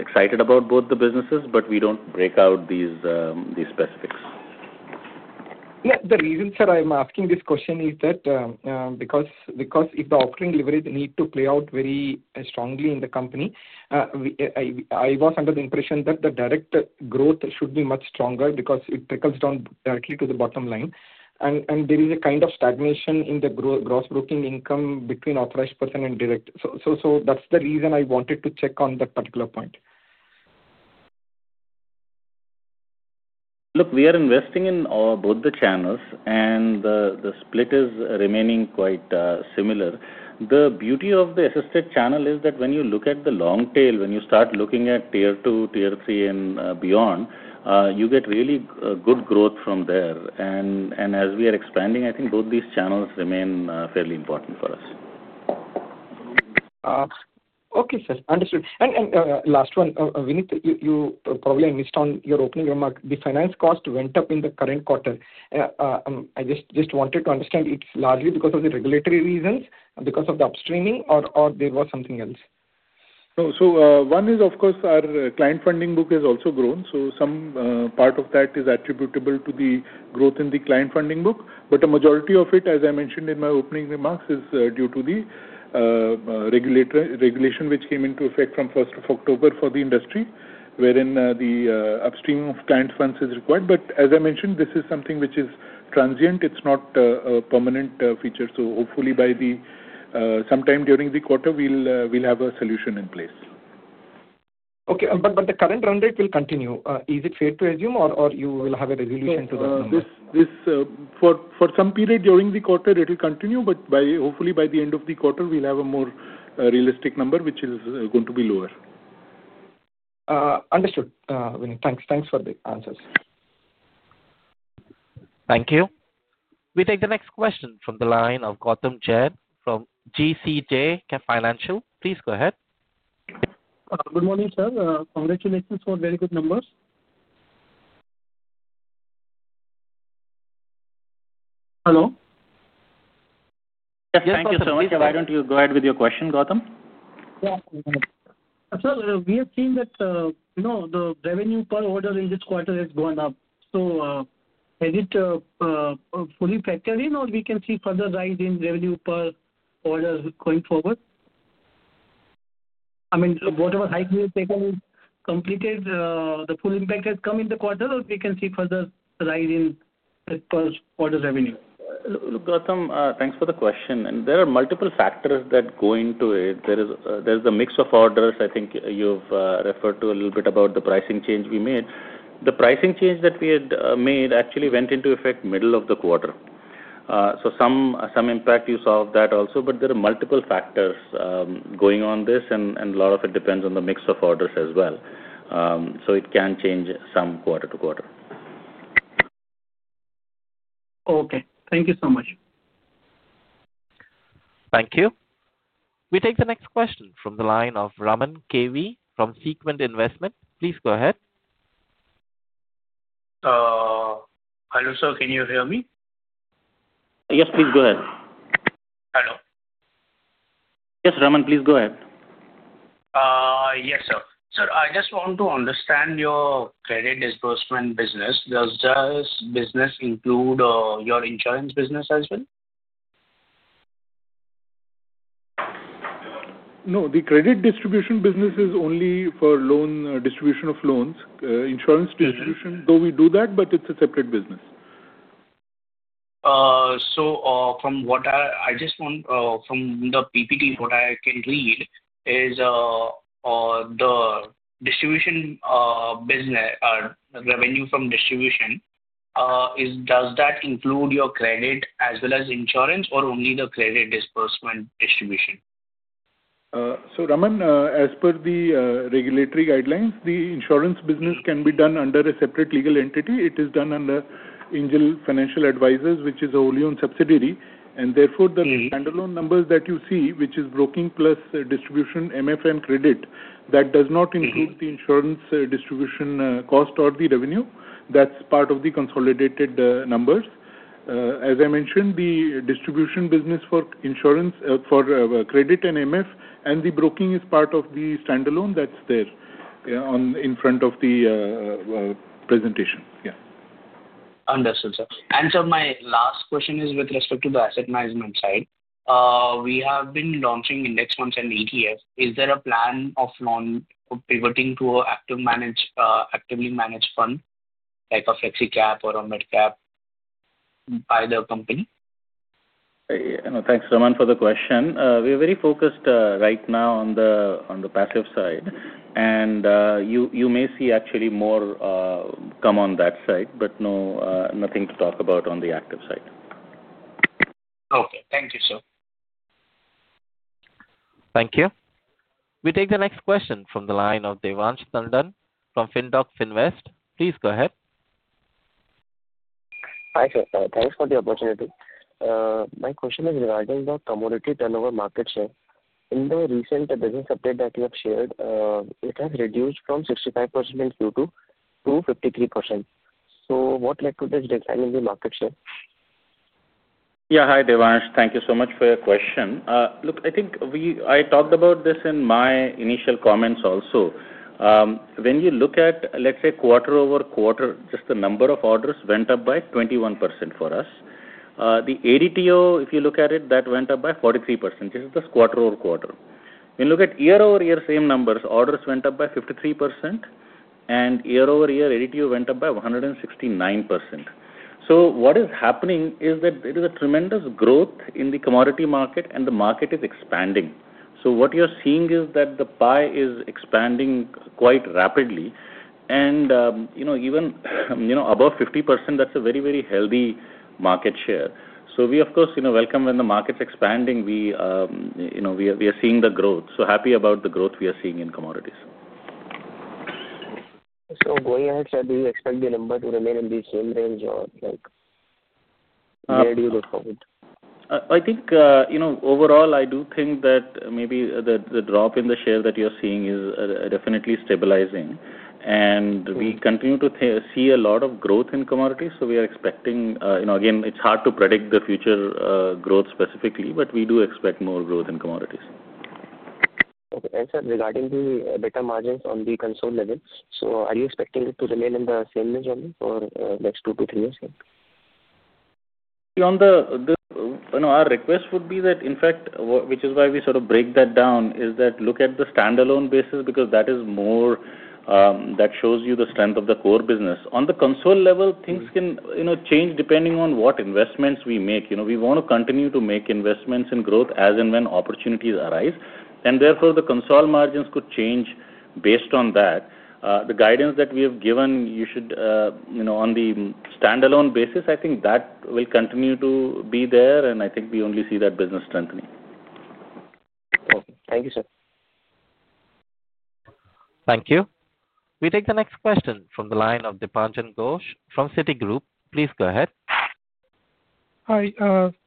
Speaker 3: excited about both the businesses, but we don't break out these specifics.
Speaker 11: Yeah, the reason I'm asking this question is that because if the offering leverage needs to play out very strongly in the company, I was under the impression that the direct growth should be much stronger because it trickles down directly to the bottom line, and there is a kind of stagnation in the gross broking income between authorized person and direct. So that's the reason I wanted to check on that particular point.
Speaker 3: Look, we are investing in both the channels, and the split is remaining quite similar. The beauty of the assisted channel is that when you look at the long tail, when you start looking at Tier 2, Tier 3, and beyond, you get really good growth from there, and as we are expanding, I think both these channels remain fairly important for us.
Speaker 11: Okay, sir. Understood. And last one, Vineet, you probably missed on your opening remark. The finance cost went up in the current quarter. I just wanted to understand it's largely because of the regulatory reasons, because of the upstreaming, or there was something else?
Speaker 8: So one is, of course, our client funding book has also grown. So some part of that is attributable to the growth in the client funding book. But the majority of it, as I mentioned in my opening remarks, is due to the regulation which came into effect from 1st of October for the industry, wherein the upstream of client funds is required. But as I mentioned, this is something which is transient. It's not a permanent feature. So hopefully, by sometime during the quarter, we'll have a solution in place.
Speaker 11: Okay. But the current run rate will continue. Is it fair to assume, or you will have a resolution to that number?
Speaker 8: For some period during the quarter, it will continue. But hopefully, by the end of the quarter, we'll have a more realistic number, which is going to be lower.
Speaker 11: Understood. Thanks for the answers.
Speaker 1: Thank you. We take the next question from the line of Gautam Jain from GCJ Financial. Please go ahead.
Speaker 12: Good morning, sir. Congratulations for very good numbers. Hello?
Speaker 1: Thank you so much. Why don't you go ahead with your question, Gautam?
Speaker 12: Sir, we have seen that the revenue per order in this quarter has gone up. So has it fully factored in, or we can see further rise in revenue per order going forward? I mean, whatever hike we have taken is completed. The full impact has come in the quarter, or we can see further rise in the order revenue?
Speaker 3: Look, Gautam, thanks for the question. And there are multiple factors that go into it. There is a mix of orders. I think you've referred to a little bit about the pricing change we made. The pricing change that we had made actually went into effect middle of the quarter. So some impact you saw of that also. But there are multiple factors going on this, and a lot of it depends on the mix of orders as well. So it can change some quarter-to-quarter.
Speaker 12: Okay. Thank you so much.
Speaker 1: Thank you. We take the next question from the line of Raman KV from Sequent Investments. Please go ahead.
Speaker 13: Hello, sir. Can you hear me?
Speaker 1: Yes, please go ahead.
Speaker 13: Hello.
Speaker 1: Yes, Raman, please go ahead.
Speaker 13: Yes, sir. Sir, I just want to understand your credit disbursement business. Does that business include your insurance business as well?
Speaker 8: No, the credit distribution business is only for loan distribution of loans. Insurance distribution, though we do that, but it's a separate business.
Speaker 13: So from what I just want from the PPT, what I can read is the distribution business revenue from distribution. Does that include your credit as well as insurance, or only the credit disbursement distribution?
Speaker 8: Raman, as per the regulatory guidelines, the insurance business can be done under a separate legal entity. It is done under Angel Financial Advisors, which is a wholly owned subsidiary. Therefore, the standalone numbers that you see, which is broking plus distribution, MF and credit, that does not include the insurance distribution cost or the revenue. That's part of the consolidated numbers. As I mentioned, the distribution business for insurance, for credit and MF, and the broking is part of the standalone that's there in front of the presentation. Yeah.
Speaker 13: Understood, sir. And sir, my last question is with respect to the asset management side. We have been launching index funds and ETFs. Is there a plan of pivoting to an actively managed fund, like a FlexiCap or a MedCap, by the company?
Speaker 3: Thanks, Raman, for the question. We are very focused right now on the passive side, and you may see actually more come on that side, but nothing to talk about on the active side.
Speaker 13: Okay. Thank you, sir.
Speaker 1: Thank you. We take the next question from the line of Devansh Tandon from Findoc Investmart. Please go ahead.
Speaker 14: Hi, sir. Thanks for the opportunity. My question is regarding the commodity turnover market share. In the recent business update that you have shared, it has reduced from 65% in Q2 to 53%. So what led to this decline in the market share?
Speaker 3: Yeah, hi, Devansh. Thank you so much for your question. Look, I think I talked about this in my initial comments also. When you look at, let's say, quarter-over-quarter, just the number of orders went up by 21% for us. The ADTO, if you look at it, that went up by 43%. Just this quarter-over-quarter. When you look at year over year same numbers, orders went up by 53%, and year over year, ADTO went up by 169%. So what is happening is that there is a tremendous growth in the commodity market, and the market is expanding. So what you're seeing is that the pie is expanding quite rapidly. Even above 50%, that's a very, very healthy market share. We, of course, welcome when the market's expanding. We are seeing the growth. Happy about the growth we are seeing in commodities.
Speaker 14: So go ahead, sir. Do you expect the number to remain in the same range or near you before it?
Speaker 3: I think overall, I do think that maybe the drop in the share that you're seeing is definitely stabilizing, and we continue to see a lot of growth in commodities, so we are expecting, again, it's hard to predict the future growth specifically, but we do expect more growth in commodities.
Speaker 14: Okay. And sir, regarding the better margins on the consolidated level, so are you expecting it to remain in the same range only for the next two to three years?
Speaker 3: Beyond that, our request would be that, in fact, which is why we sort of break that down, is that look at the standalone basis because that shows you the strength of the core business. On the consolidated level, things can change depending on what investments we make. We want to continue to make investments in growth as and when opportunities arise. Therefore, the consolidated margins could change based on that. The guidance that we have given, you should on the standalone basis, I think that will continue to be there. I think we only see that business strengthening.
Speaker 14: Okay. Thank you, sir.
Speaker 1: Thank you. We take the next question from the line of Dipanjan Ghosh from Citigroup. Please go ahead.
Speaker 15: Hi.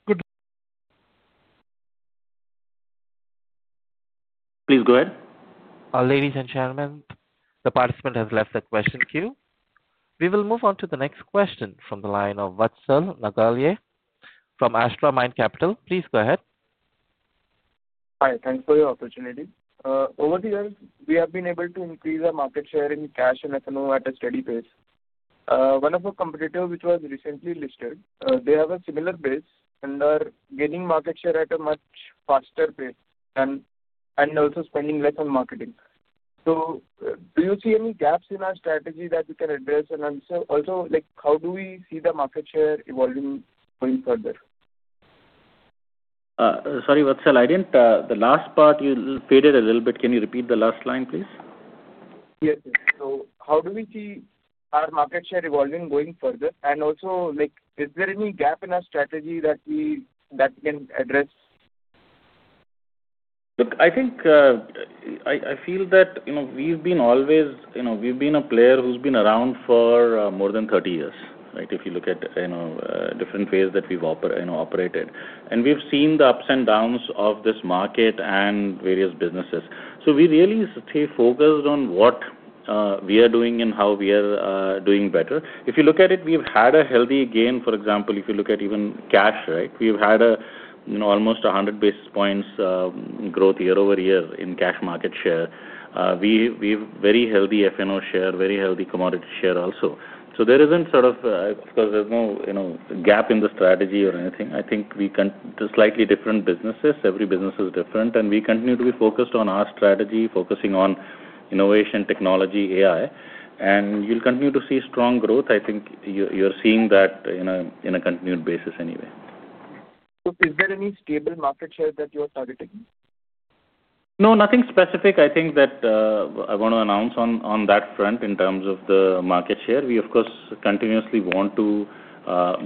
Speaker 15: Good.
Speaker 3: Please go ahead.
Speaker 1: Ladies and gentlemen, the participant has left the question queue. We will move on to the next question from the line of Vatsal Nagarle from Astramind Capital. Please go ahead.
Speaker 16: Hi. Thanks for your opportunity. Over the years, we have been able to increase our market share in cash and F&O at a steady pace. One of our competitors, which was recently listed, they have a similar base and are gaining market share at a much faster pace and also spending less on marketing. So do you see any gaps in our strategy that we can address? And also, how do we see the market share evolving going further?
Speaker 3: Sorry, Vatsal, I didn't hear the last part. You faded a little bit. Can you repeat the last line, please?
Speaker 16: Yes, sir. So how do we see our market share evolving going further? And also, is there any gap in our strategy that we can address?
Speaker 3: Look, I feel that we've always been a player who's been around for more than 30 years, right, if you look at different ways that we've operated, and we've seen the ups and downs of this market and various businesses. We really stay focused on what we are doing and how we are doing better. If you look at it, we've had a healthy gain. For example, if you look at even cash, right, we've had almost 100 basis points growth year-over-year in cash market share. We have very healthy F&O share, very healthy commodity share also. So there isn't sort of, of course, there's no gap in the strategy or anything. I think we can slightly different businesses. Every business is different. We continue to be focused on our strategy, focusing on innovation, technology, AI. You'll continue to see strong growth. I think you're seeing that on a continued basis anyway.
Speaker 16: Is there any stable market share that you are targeting?
Speaker 3: No, nothing specific I think that I want to announce on that front in terms of the market share. We, of course, continuously want to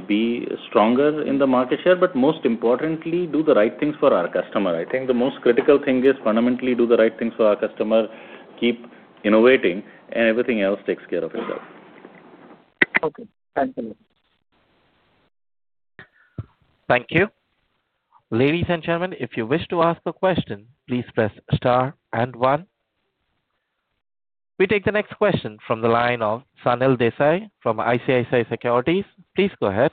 Speaker 3: be stronger in the market share, but most importantly, do the right things for our customer. I think the most critical thing is fundamentally do the right things for our customer, keep innovating, and everything else takes care of itself.
Speaker 16: Okay. Thanks, sir.
Speaker 1: Thank you. Ladies and gentlemen, if you wish to ask a question, please press star and one. We take the next question from the line of Sanil Desai from ICICI Securities. Please go ahead.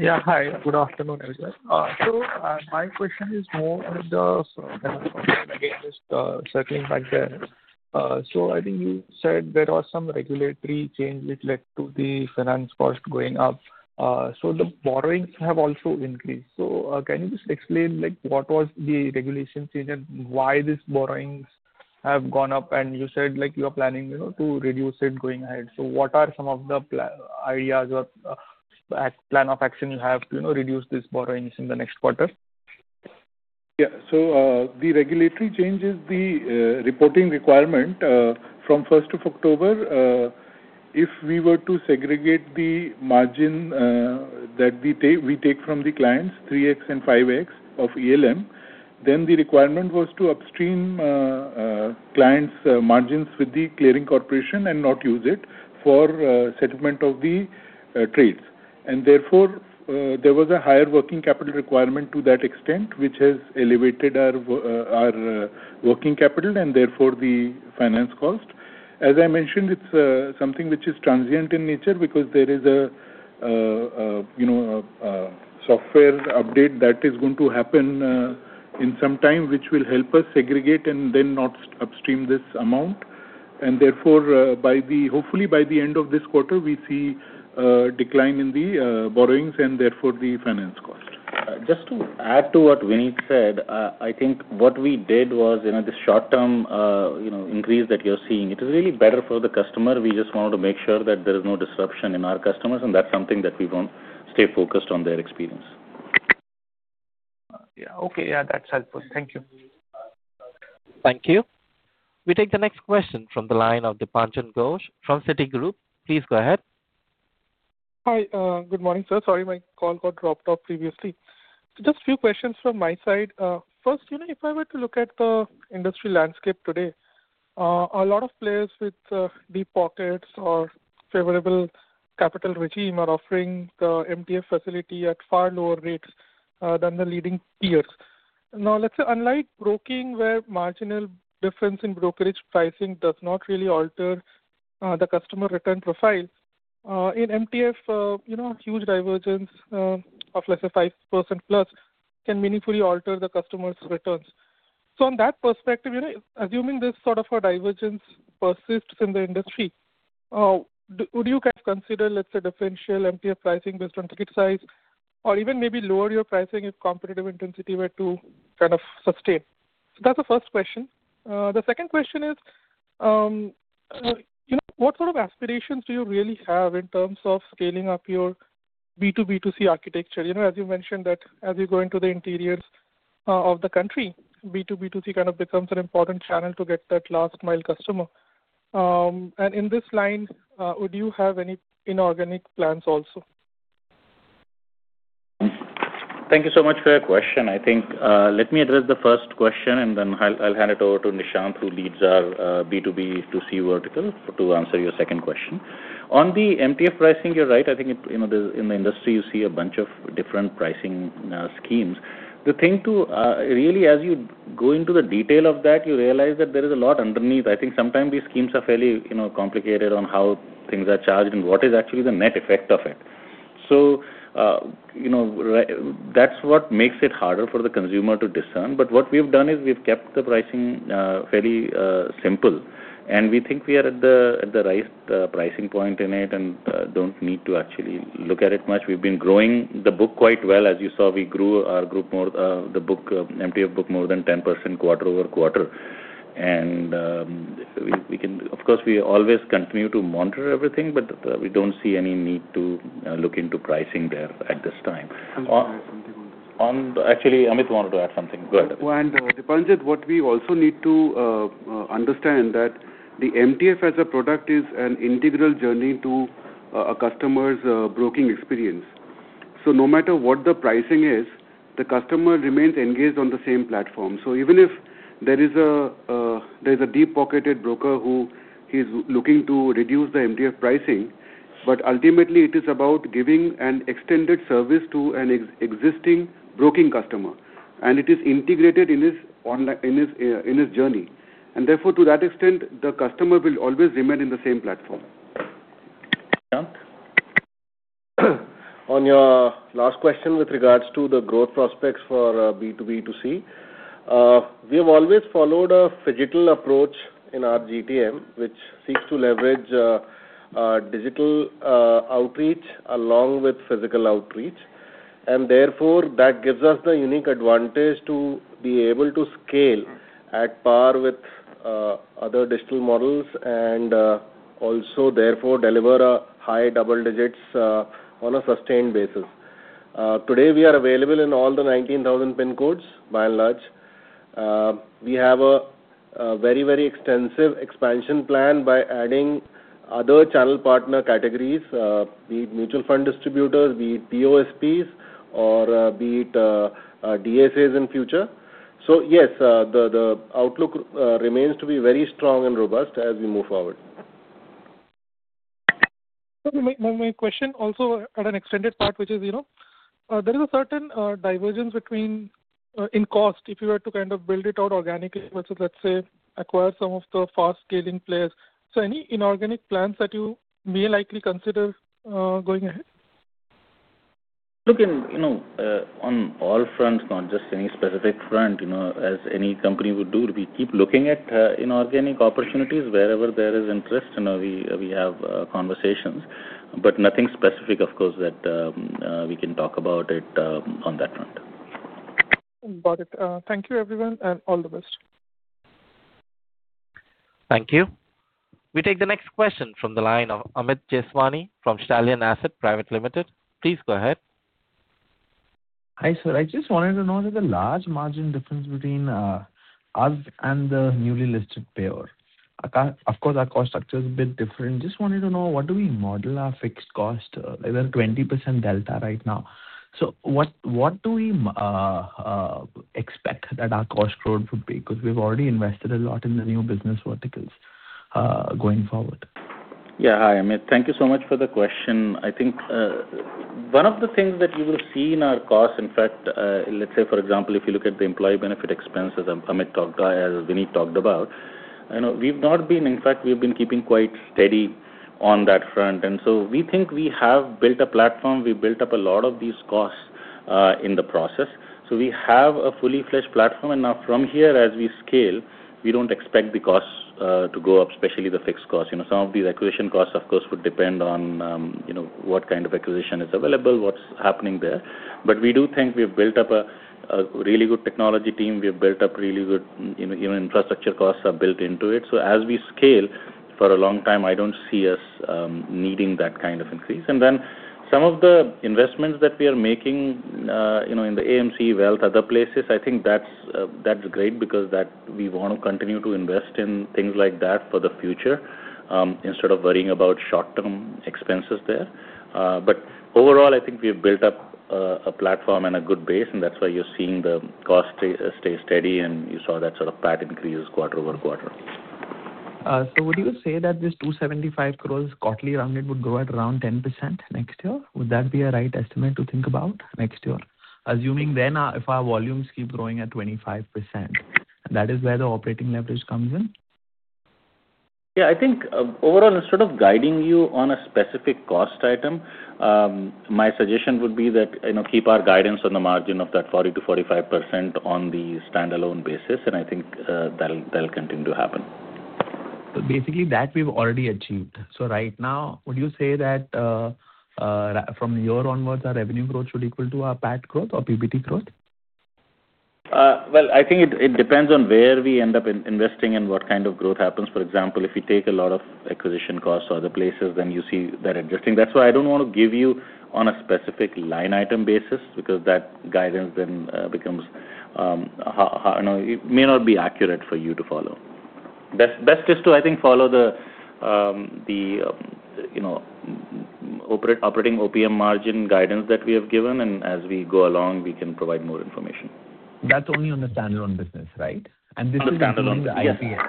Speaker 17: Yeah. Hi. Good afternoon, everyone. So my question is more on the finance cost. Again, just circling back there. So I think you said there was some regulatory change which led to the finance cost going up. So the borrowings have also increased. So can you just explain what was the regulation change and why these borrowings have gone up? And you said you are planning to reduce it going ahead. So what are some of the ideas or plan of action you have to reduce these borrowings in the next quarter?
Speaker 8: Yeah. So the regulatory change is the reporting requirement from 1st of October. If we were to segregate the margin that we take from the clients, 3x and 5x of ELM, then the requirement was to upstream clients' margins with the clearing corporation and not use it for settlement of the trades. And therefore, there was a higher working capital requirement to that extent, which has elevated our working capital and therefore the finance cost. As I mentioned, it's something which is transient in nature because there is a software update that is going to happen in some time, which will help us segregate and then not upstream this amount. And therefore, hopefully, by the end of this quarter, we see a decline in the borrowings and therefore the finance cost.
Speaker 3: Just to add to what Vineet said, I think what we did was this short-term increase that you're seeing. It is really better for the customer. We just wanted to make sure that there is no disruption to our customers. That's something that we want to stay focused on their experience.
Speaker 17: Yeah. Okay. Yeah, that's helpful. Thank you.
Speaker 1: Thank you. We take the next question from the line of Dipanjan Ghosh from Citigroup. Please go ahead.
Speaker 15: Hi. Good morning, sir. Sorry, my call got dropped off previously. Just a few questions from my side. First, if I were to look at the industry landscape today, a lot of players with deep pockets or favorable capital regime are offering the MTF facility at far lower rates than the leading peers. Now, let's say unlike broking, where marginal difference in brokerage pricing does not really alter the customer return profile, in MTF, a huge divergence of less than 5%+ can meaningfully alter the customer's returns. So on that perspective, assuming this sort of a divergence persists in the industry, would you kind of consider, let's say, differential MTF pricing based on ticket size or even maybe lower your pricing if competitive intensity were to kind of sustain? So that's the first question. The second question is, what sort of aspirations do you really have in terms of scaling up your B2B2C architecture? As you mentioned that as you go into the interiors of the country, B2B2C kind of becomes an important channel to get that last-mile customer. And in this line, would you have any inorganic plans also?
Speaker 3: Thank you so much for your question. I think let me address the first question, and then I'll hand it over to Nishant who leads our B2B2C vertical to answer your second question. On the MTF pricing, you're right. I think in the industry, you see a bunch of different pricing schemes. The thing to really, as you go into the detail of that, you realize that there is a lot underneath. I think sometimes these schemes are fairly complicated on how things are charged and what is actually the net effect of it. So that's what makes it harder for the consumer to discern. But what we've done is we've kept the pricing fairly simple. And we think we are at the right pricing point in it and don't need to actually look at it much. We've been growing the book quite well. As you saw, we grew our MTF book more than 10% quarter-over-quarter. And of course, we always continue to monitor everything, but we don't see any need to look into pricing there at this time. Actually, Amit wanted to add something. Go ahead, Dipanjan.
Speaker 15: What we also need to understand is that the MTF as a product is an integral journey to a customer's broking experience. So no matter what the pricing is, the customer remains engaged on the same platform. So even if there is a deep-pocketed broker who is looking to reduce the MTF pricing, but ultimately, it is about giving an extended service to an existing broking customer. And it is integrated in his journey. And therefore, to that extent, the customer will always remain in the same platform.
Speaker 3: On your last question with regards to the growth prospects for B2B2C, we have always followed a phygital approach in our GTM, which seeks to leverage digital outreach along with physical outreach, and therefore, that gives us the unique advantage to be able to scale at par with other digital models and also therefore deliver high double digits on a sustained basis. Today, we are available in all the 19,000 PIN codes, by and large. We have a very, very extensive expansion plan by adding other channel partner categories, be it mutual fund distributors, be it POSPs, or be it DSAs in future, so yes, the outlook remains to be very strong and robust as we move forward.
Speaker 15: My question also had an extended part, which is there is a certain divergence in cost if you were to kind of build it out organically versus, let's say, acquire some of the fast-scaling players. So any inorganic plans that you may likely consider going ahead?
Speaker 3: Look, on all fronts, not just any specific front, as any company would do, we keep looking at inorganic opportunities wherever there is interest. We have conversations, but nothing specific, of course, that we can talk about on that front.
Speaker 15: Got it. Thank you, everyone, and all the best.
Speaker 1: Thank you. We take the next question from the line of Amit Jeswani from Stallion Asset Private Limited. Please go ahead.
Speaker 18: Hi, sir. I just wanted to know there's a large margin difference between us and the newly listed player. Of course, our cost structure is a bit different. Just wanted to know what do we model our fixed cost? There's a 20% delta right now. So what do we expect that our cost growth would be? Because we've already invested a lot in the new business verticals going forward.
Speaker 3: Yeah. Hi, Amit. Thank you so much for the question. I think one of the things that you will see in our cost. In fact, let's say, for example, if you look at the employee benefit expenses Amit talked about, Vineet talked about, we've not been. In fact, we've been keeping quite steady on that front. And so we think we have built a platform. We built up a lot of these costs in the process. So we have a full-fledged platform. And now from here, as we scale, we don't expect the costs to go up, especially the fixed costs. Some of these acquisition costs, of course, would depend on what kind of acquisition is available, what's happening there. But we do think we have built up a really good technology team. We have built up really good infrastructure costs that are built into it. So as we scale for a long time, I don't see us needing that kind of increase. And then some of the investments that we are making in the AMC, Wealth, other places, I think that's great because we want to continue to invest in things like that for the future instead of worrying about short-term expenses there. But overall, I think we have built up a platform and a good base. And that's why you're seeing the cost stay steady. And you saw that sort of pattern increase quarter-over-quarter.
Speaker 18: So would you say that this 275 crores quarterly rounded would go at around 10% next year? Would that be a right estimate to think about next year? Assuming then if our volumes keep growing at 25%, that is where the operating leverage comes in.
Speaker 3: Yeah. I think overall, instead of guiding you on a specific cost item, my suggestion would be that keep our guidance on the margin of that 40%-45% on the standalone basis. And I think that'll continue to happen.
Speaker 18: So basically, that we've already achieved. So right now, would you say that from year onwards, our revenue growth should equal to our PAT growth or PBT growth?
Speaker 3: I think it depends on where we end up investing and what kind of growth happens. For example, if you take a lot of acquisition costs to other places, then you see that adjusting. That's why I don't want to give you on a specific line item basis because that guidance then becomes, it may not be accurate for you to follow. Best is to, I think, follow the operating OPM margin guidance that we have given. And as we go along, we can provide more information.
Speaker 18: That's only on the standalone business, right? And this is the IPA.
Speaker 3: On the standalone business.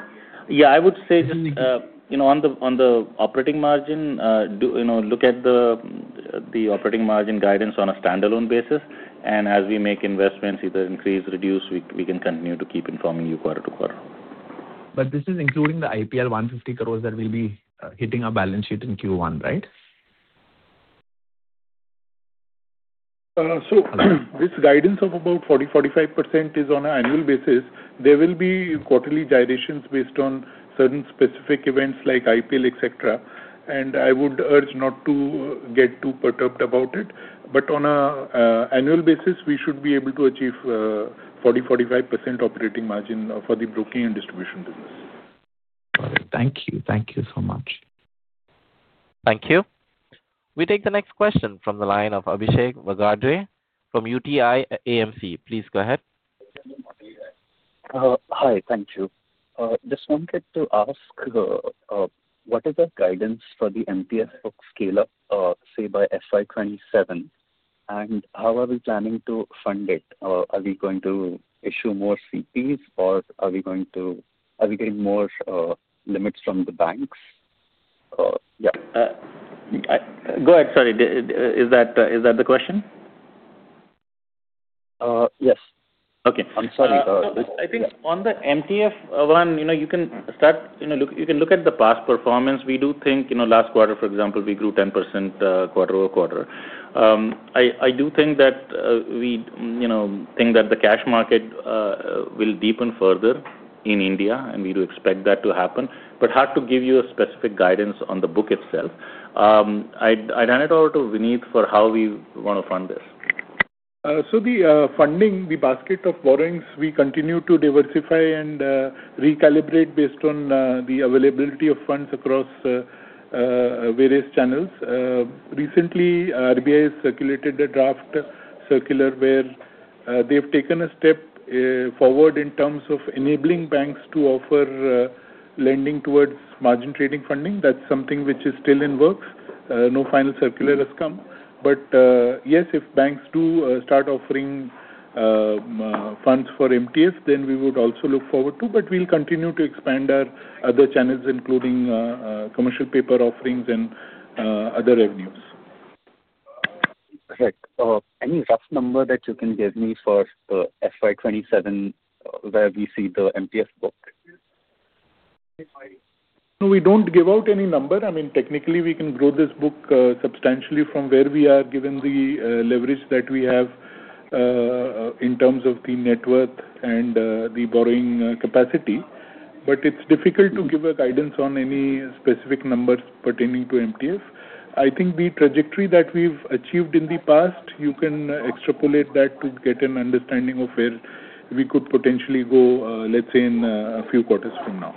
Speaker 3: Yeah. I would say just on the operating margin, look at the operating margin guidance on a standalone basis. And as we make investments, either increase, reduce, we can continue to keep informing you quarter-to-quarter.
Speaker 18: But this is including the IPL 1.5 billion that will be hitting our balance sheet in Q1, right?
Speaker 8: This guidance of about 40%-45% is on an annual basis. There will be quarterly gyrations based on certain specific events like IPL, etc. And I would urge not to get too perturbed about it. But on an annual basis, we should be able to achieve 40%-45% operating margin for the broking and distribution business.
Speaker 18: Got it. Thank you. Thank you so much.
Speaker 1: Thank you. We take the next question from the line of Abhishek Vagadre from UTI AMC. Please go ahead.
Speaker 19: Hi. Thank you. Just wanted to ask, what is the guidance for the MTF scale-up, say, by FY 2027? And how are we planning to fund it? Are we going to issue more CPs, or are we getting more limits from the banks?
Speaker 3: Yeah. Go ahead. Sorry. Is that the question?
Speaker 19: Yes.
Speaker 3: Okay.
Speaker 19: I'm sorry.
Speaker 3: I think on the MTF one, you can look at the past performance. We do think last quarter, for example, we grew 10% quarter-over-quarter. I do think that we think that the cash market will deepen further in India, and we do expect that to happen. But hard to give you a specific guidance on the book itself. I'd hand it over to Vineet for how we want to fund this.
Speaker 8: So the funding, the basket of borrowings, we continue to diversify and recalibrate based on the availability of funds across various channels. Recently, RBI has circulated a draft circular where they've taken a step forward in terms of enabling banks to offer lending towards margin trading funding. That's something which is still in works. No final circular has come. But yes, if banks do start offering funds for MTFs, then we would also look forward to. But we'll continue to expand our other channels, including commercial paper offerings and other revenues.
Speaker 19: Perfect. Any rough number that you can give me for the FY 2027 where we see the MTF book?
Speaker 8: We don't give out any number. I mean, technically, we can grow this book substantially from where we are given the leverage that we have in terms of the net worth and the borrowing capacity. But it's difficult to give a guidance on any specific numbers pertaining to MTF. I think the trajectory that we've achieved in the past, you can extrapolate that to get an understanding of where we could potentially go, let's say, in a few quarters from now.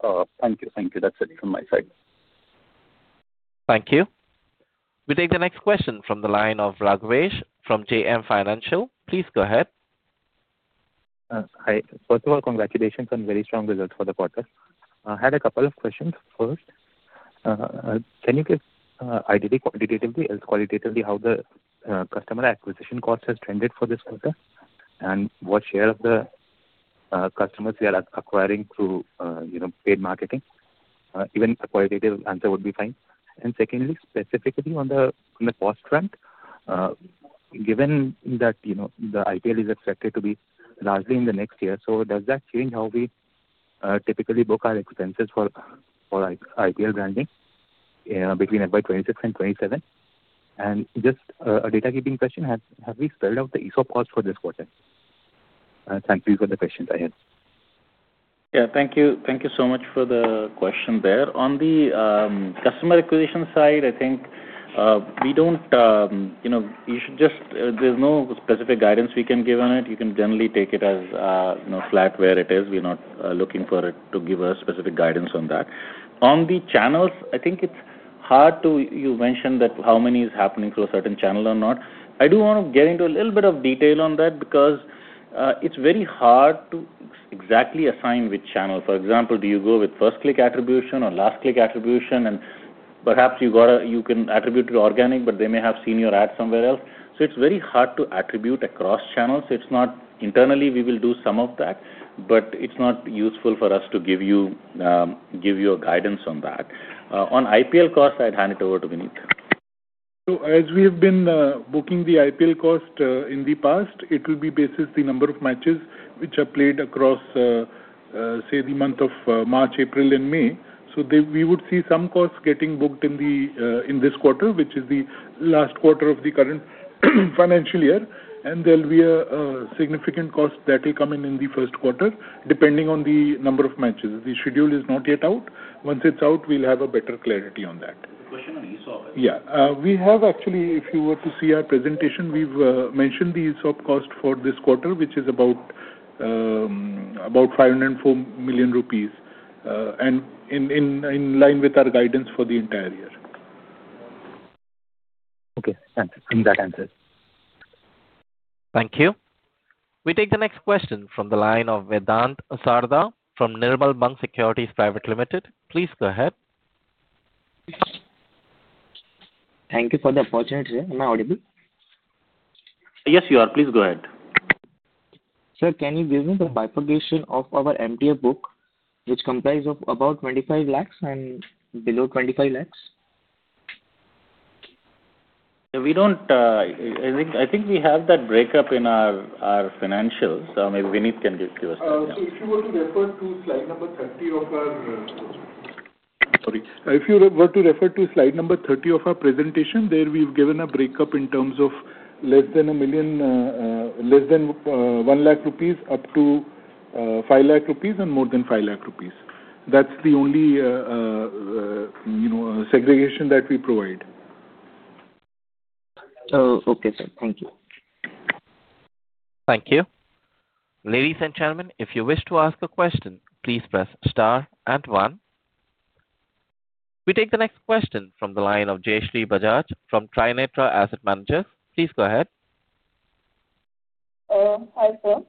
Speaker 19: So thank you. Thank you. That's it from my side.
Speaker 1: Thank you. We take the next question from the line of Raghavesh from JM Financial. Please go ahead.
Speaker 20: Hi. First of all, congratulations on very strong results for the quarter. I had a couple of questions. First, can you give quantitatively how the customer acquisition cost has trended for this quarter? And what share of the customers we are acquiring through paid marketing? Even a qualitative answer would be fine. And secondly, specifically on the cost front, given that the IPL is expected to be largely in the next year, so does that change how we typically book our expenses for IPL branding between FY 2026 and 2027? And just a data-keeping question, have we spelled out the ESOP cost for this quarter? Thank you for the question, I heard.
Speaker 3: Yeah. Thank you. Thank you so much for the question there. On the customer acquisition side, I think we don't you should just there's no specific guidance we can give on it. You can generally take it as flat where it is. We're not looking for it to give a specific guidance on that. On the channels, I think it's hard to you mentioned that how many is happening through a certain channel or not. I do want to get into a little bit of detail on that because it's very hard to exactly assign which channel. For example, do you go with first-click attribution or last-click attribution? And perhaps you can attribute to organic, but they may have seen your ad somewhere else. So it's very hard to attribute across channels. Internally, we will do some of that. But it's not useful for us to give you a guidance on that. On ESOP cost, I'd hand it over to Vineet.
Speaker 8: As we have been booking the IPL cost in the past, it will be based on the number of matches which are played across, say, the month of March, April, and May. We would see some costs getting booked in this quarter, which is the last quarter of the current financial year. There'll be a significant cost that will come in in the first quarter depending on the number of matches. The schedule is not yet out. Once it's out, we'll have a better clarity on that.
Speaker 20: Question on ESOP, right?
Speaker 3: Yeah. We have actually, if you were to see our presentation, we've mentioned the ESOP cost for this quarter, which is about 504 million rupees, and in line with our guidance for the entire year.
Speaker 20: Okay. Thanks. I think that answers.
Speaker 1: Thank you. We take the next question from the line of Vedant Sardar from Nirmal Bang Securities Private Limited. Please go ahead.
Speaker 11: Thank you for the opportunity. Am I audible?
Speaker 3: Yes, you are. Please go ahead.
Speaker 21: Sir, can you give me the bifurcation of our MTF book, which comprises of about 25 lakhs and below 25 lakhs?
Speaker 3: We don't. I think we have that breakdown in our financials. So maybe Vineet can give you a slide. If you were to refer to slide number 30 of our presentation, there we've given a breakup in terms of less than 1 lakh rupees up to 5 lakh rupees and more than 5 lakh rupees. That's the only segregation that we provide.
Speaker 21: Oh, okay, sir. Thank you.
Speaker 1: Thank you. Ladies and gentlemen, if you wish to ask a question, please press star and one. We take the next question from the line of Jayashree Bajaj from Trinetra Asset Management. Please go ahead.
Speaker 22: Hi, sir.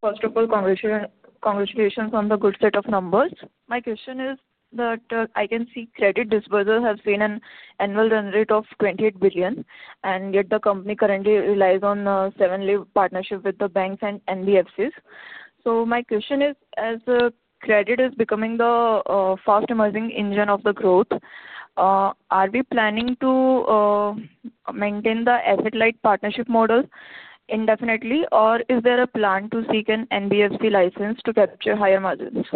Speaker 22: First of all, congratulations on the good set of numbers. My question is that I can see credit disbursals have seen an annual run rate of 28 billion. And yet the company currently relies on a seven-layer partnership with the banks and NBFCs. So my question is, as credit is becoming the fast-emerging engine of the growth, are we planning to maintain the asset-light partnership model indefinitely, or is there a plan to seek an NBFC license to capture higher margins?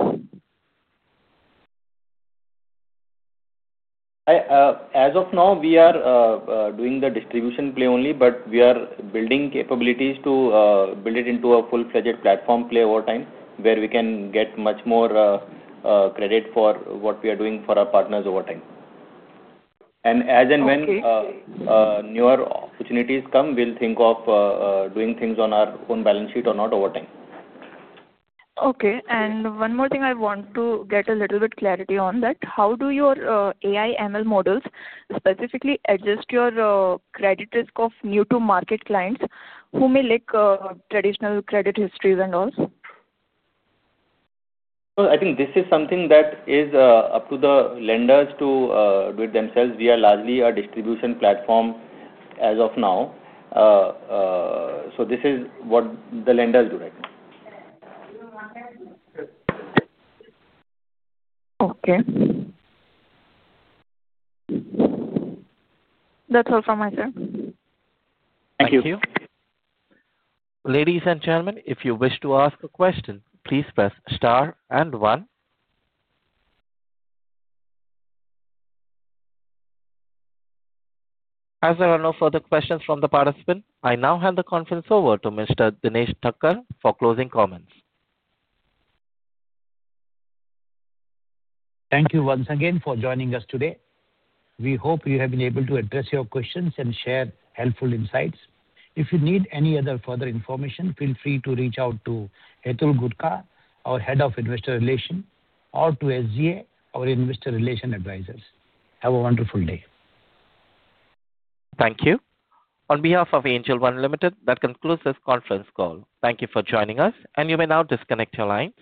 Speaker 3: As of now, we are doing the distribution play only, but we are building capabilities to build it into a full-fledged platform play over time where we can get much more credit for what we are doing for our partners over time, and as and when newer opportunities come, we'll think of doing things on our own balance sheet or not over time.
Speaker 22: Okay, and one more thing I want to get a little bit clarity on that. How do your AI/ML models specifically adjust your credit risk of new-to-market clients who may lack traditional credit histories and all?
Speaker 3: So I think this is something that is up to the lenders to do it themselves. We are largely a distribution platform as of now. So this is what the lenders do right now.
Speaker 22: Okay. That's all from my side.
Speaker 3: Thank you.
Speaker 1: Thank you. Ladies and gentlemen, if you wish to ask a question, please press star and one. As there are no further questions from the participants, I now hand the conference over to Mr. Dinesh Thakkar for closing comments.
Speaker 3: Thank you once again for joining us today. We hope you have been able to address your questions and share helpful insights. If you need any other further information, feel free to reach out to Hitul Gutka, our Head of Investor Relations, or to SGA, our Investor Relations Advisors. Have a wonderful day.
Speaker 1: Thank you. On behalf of Angel One Limited, that concludes this conference call. Thank you for joining us. And you may now disconnect your line.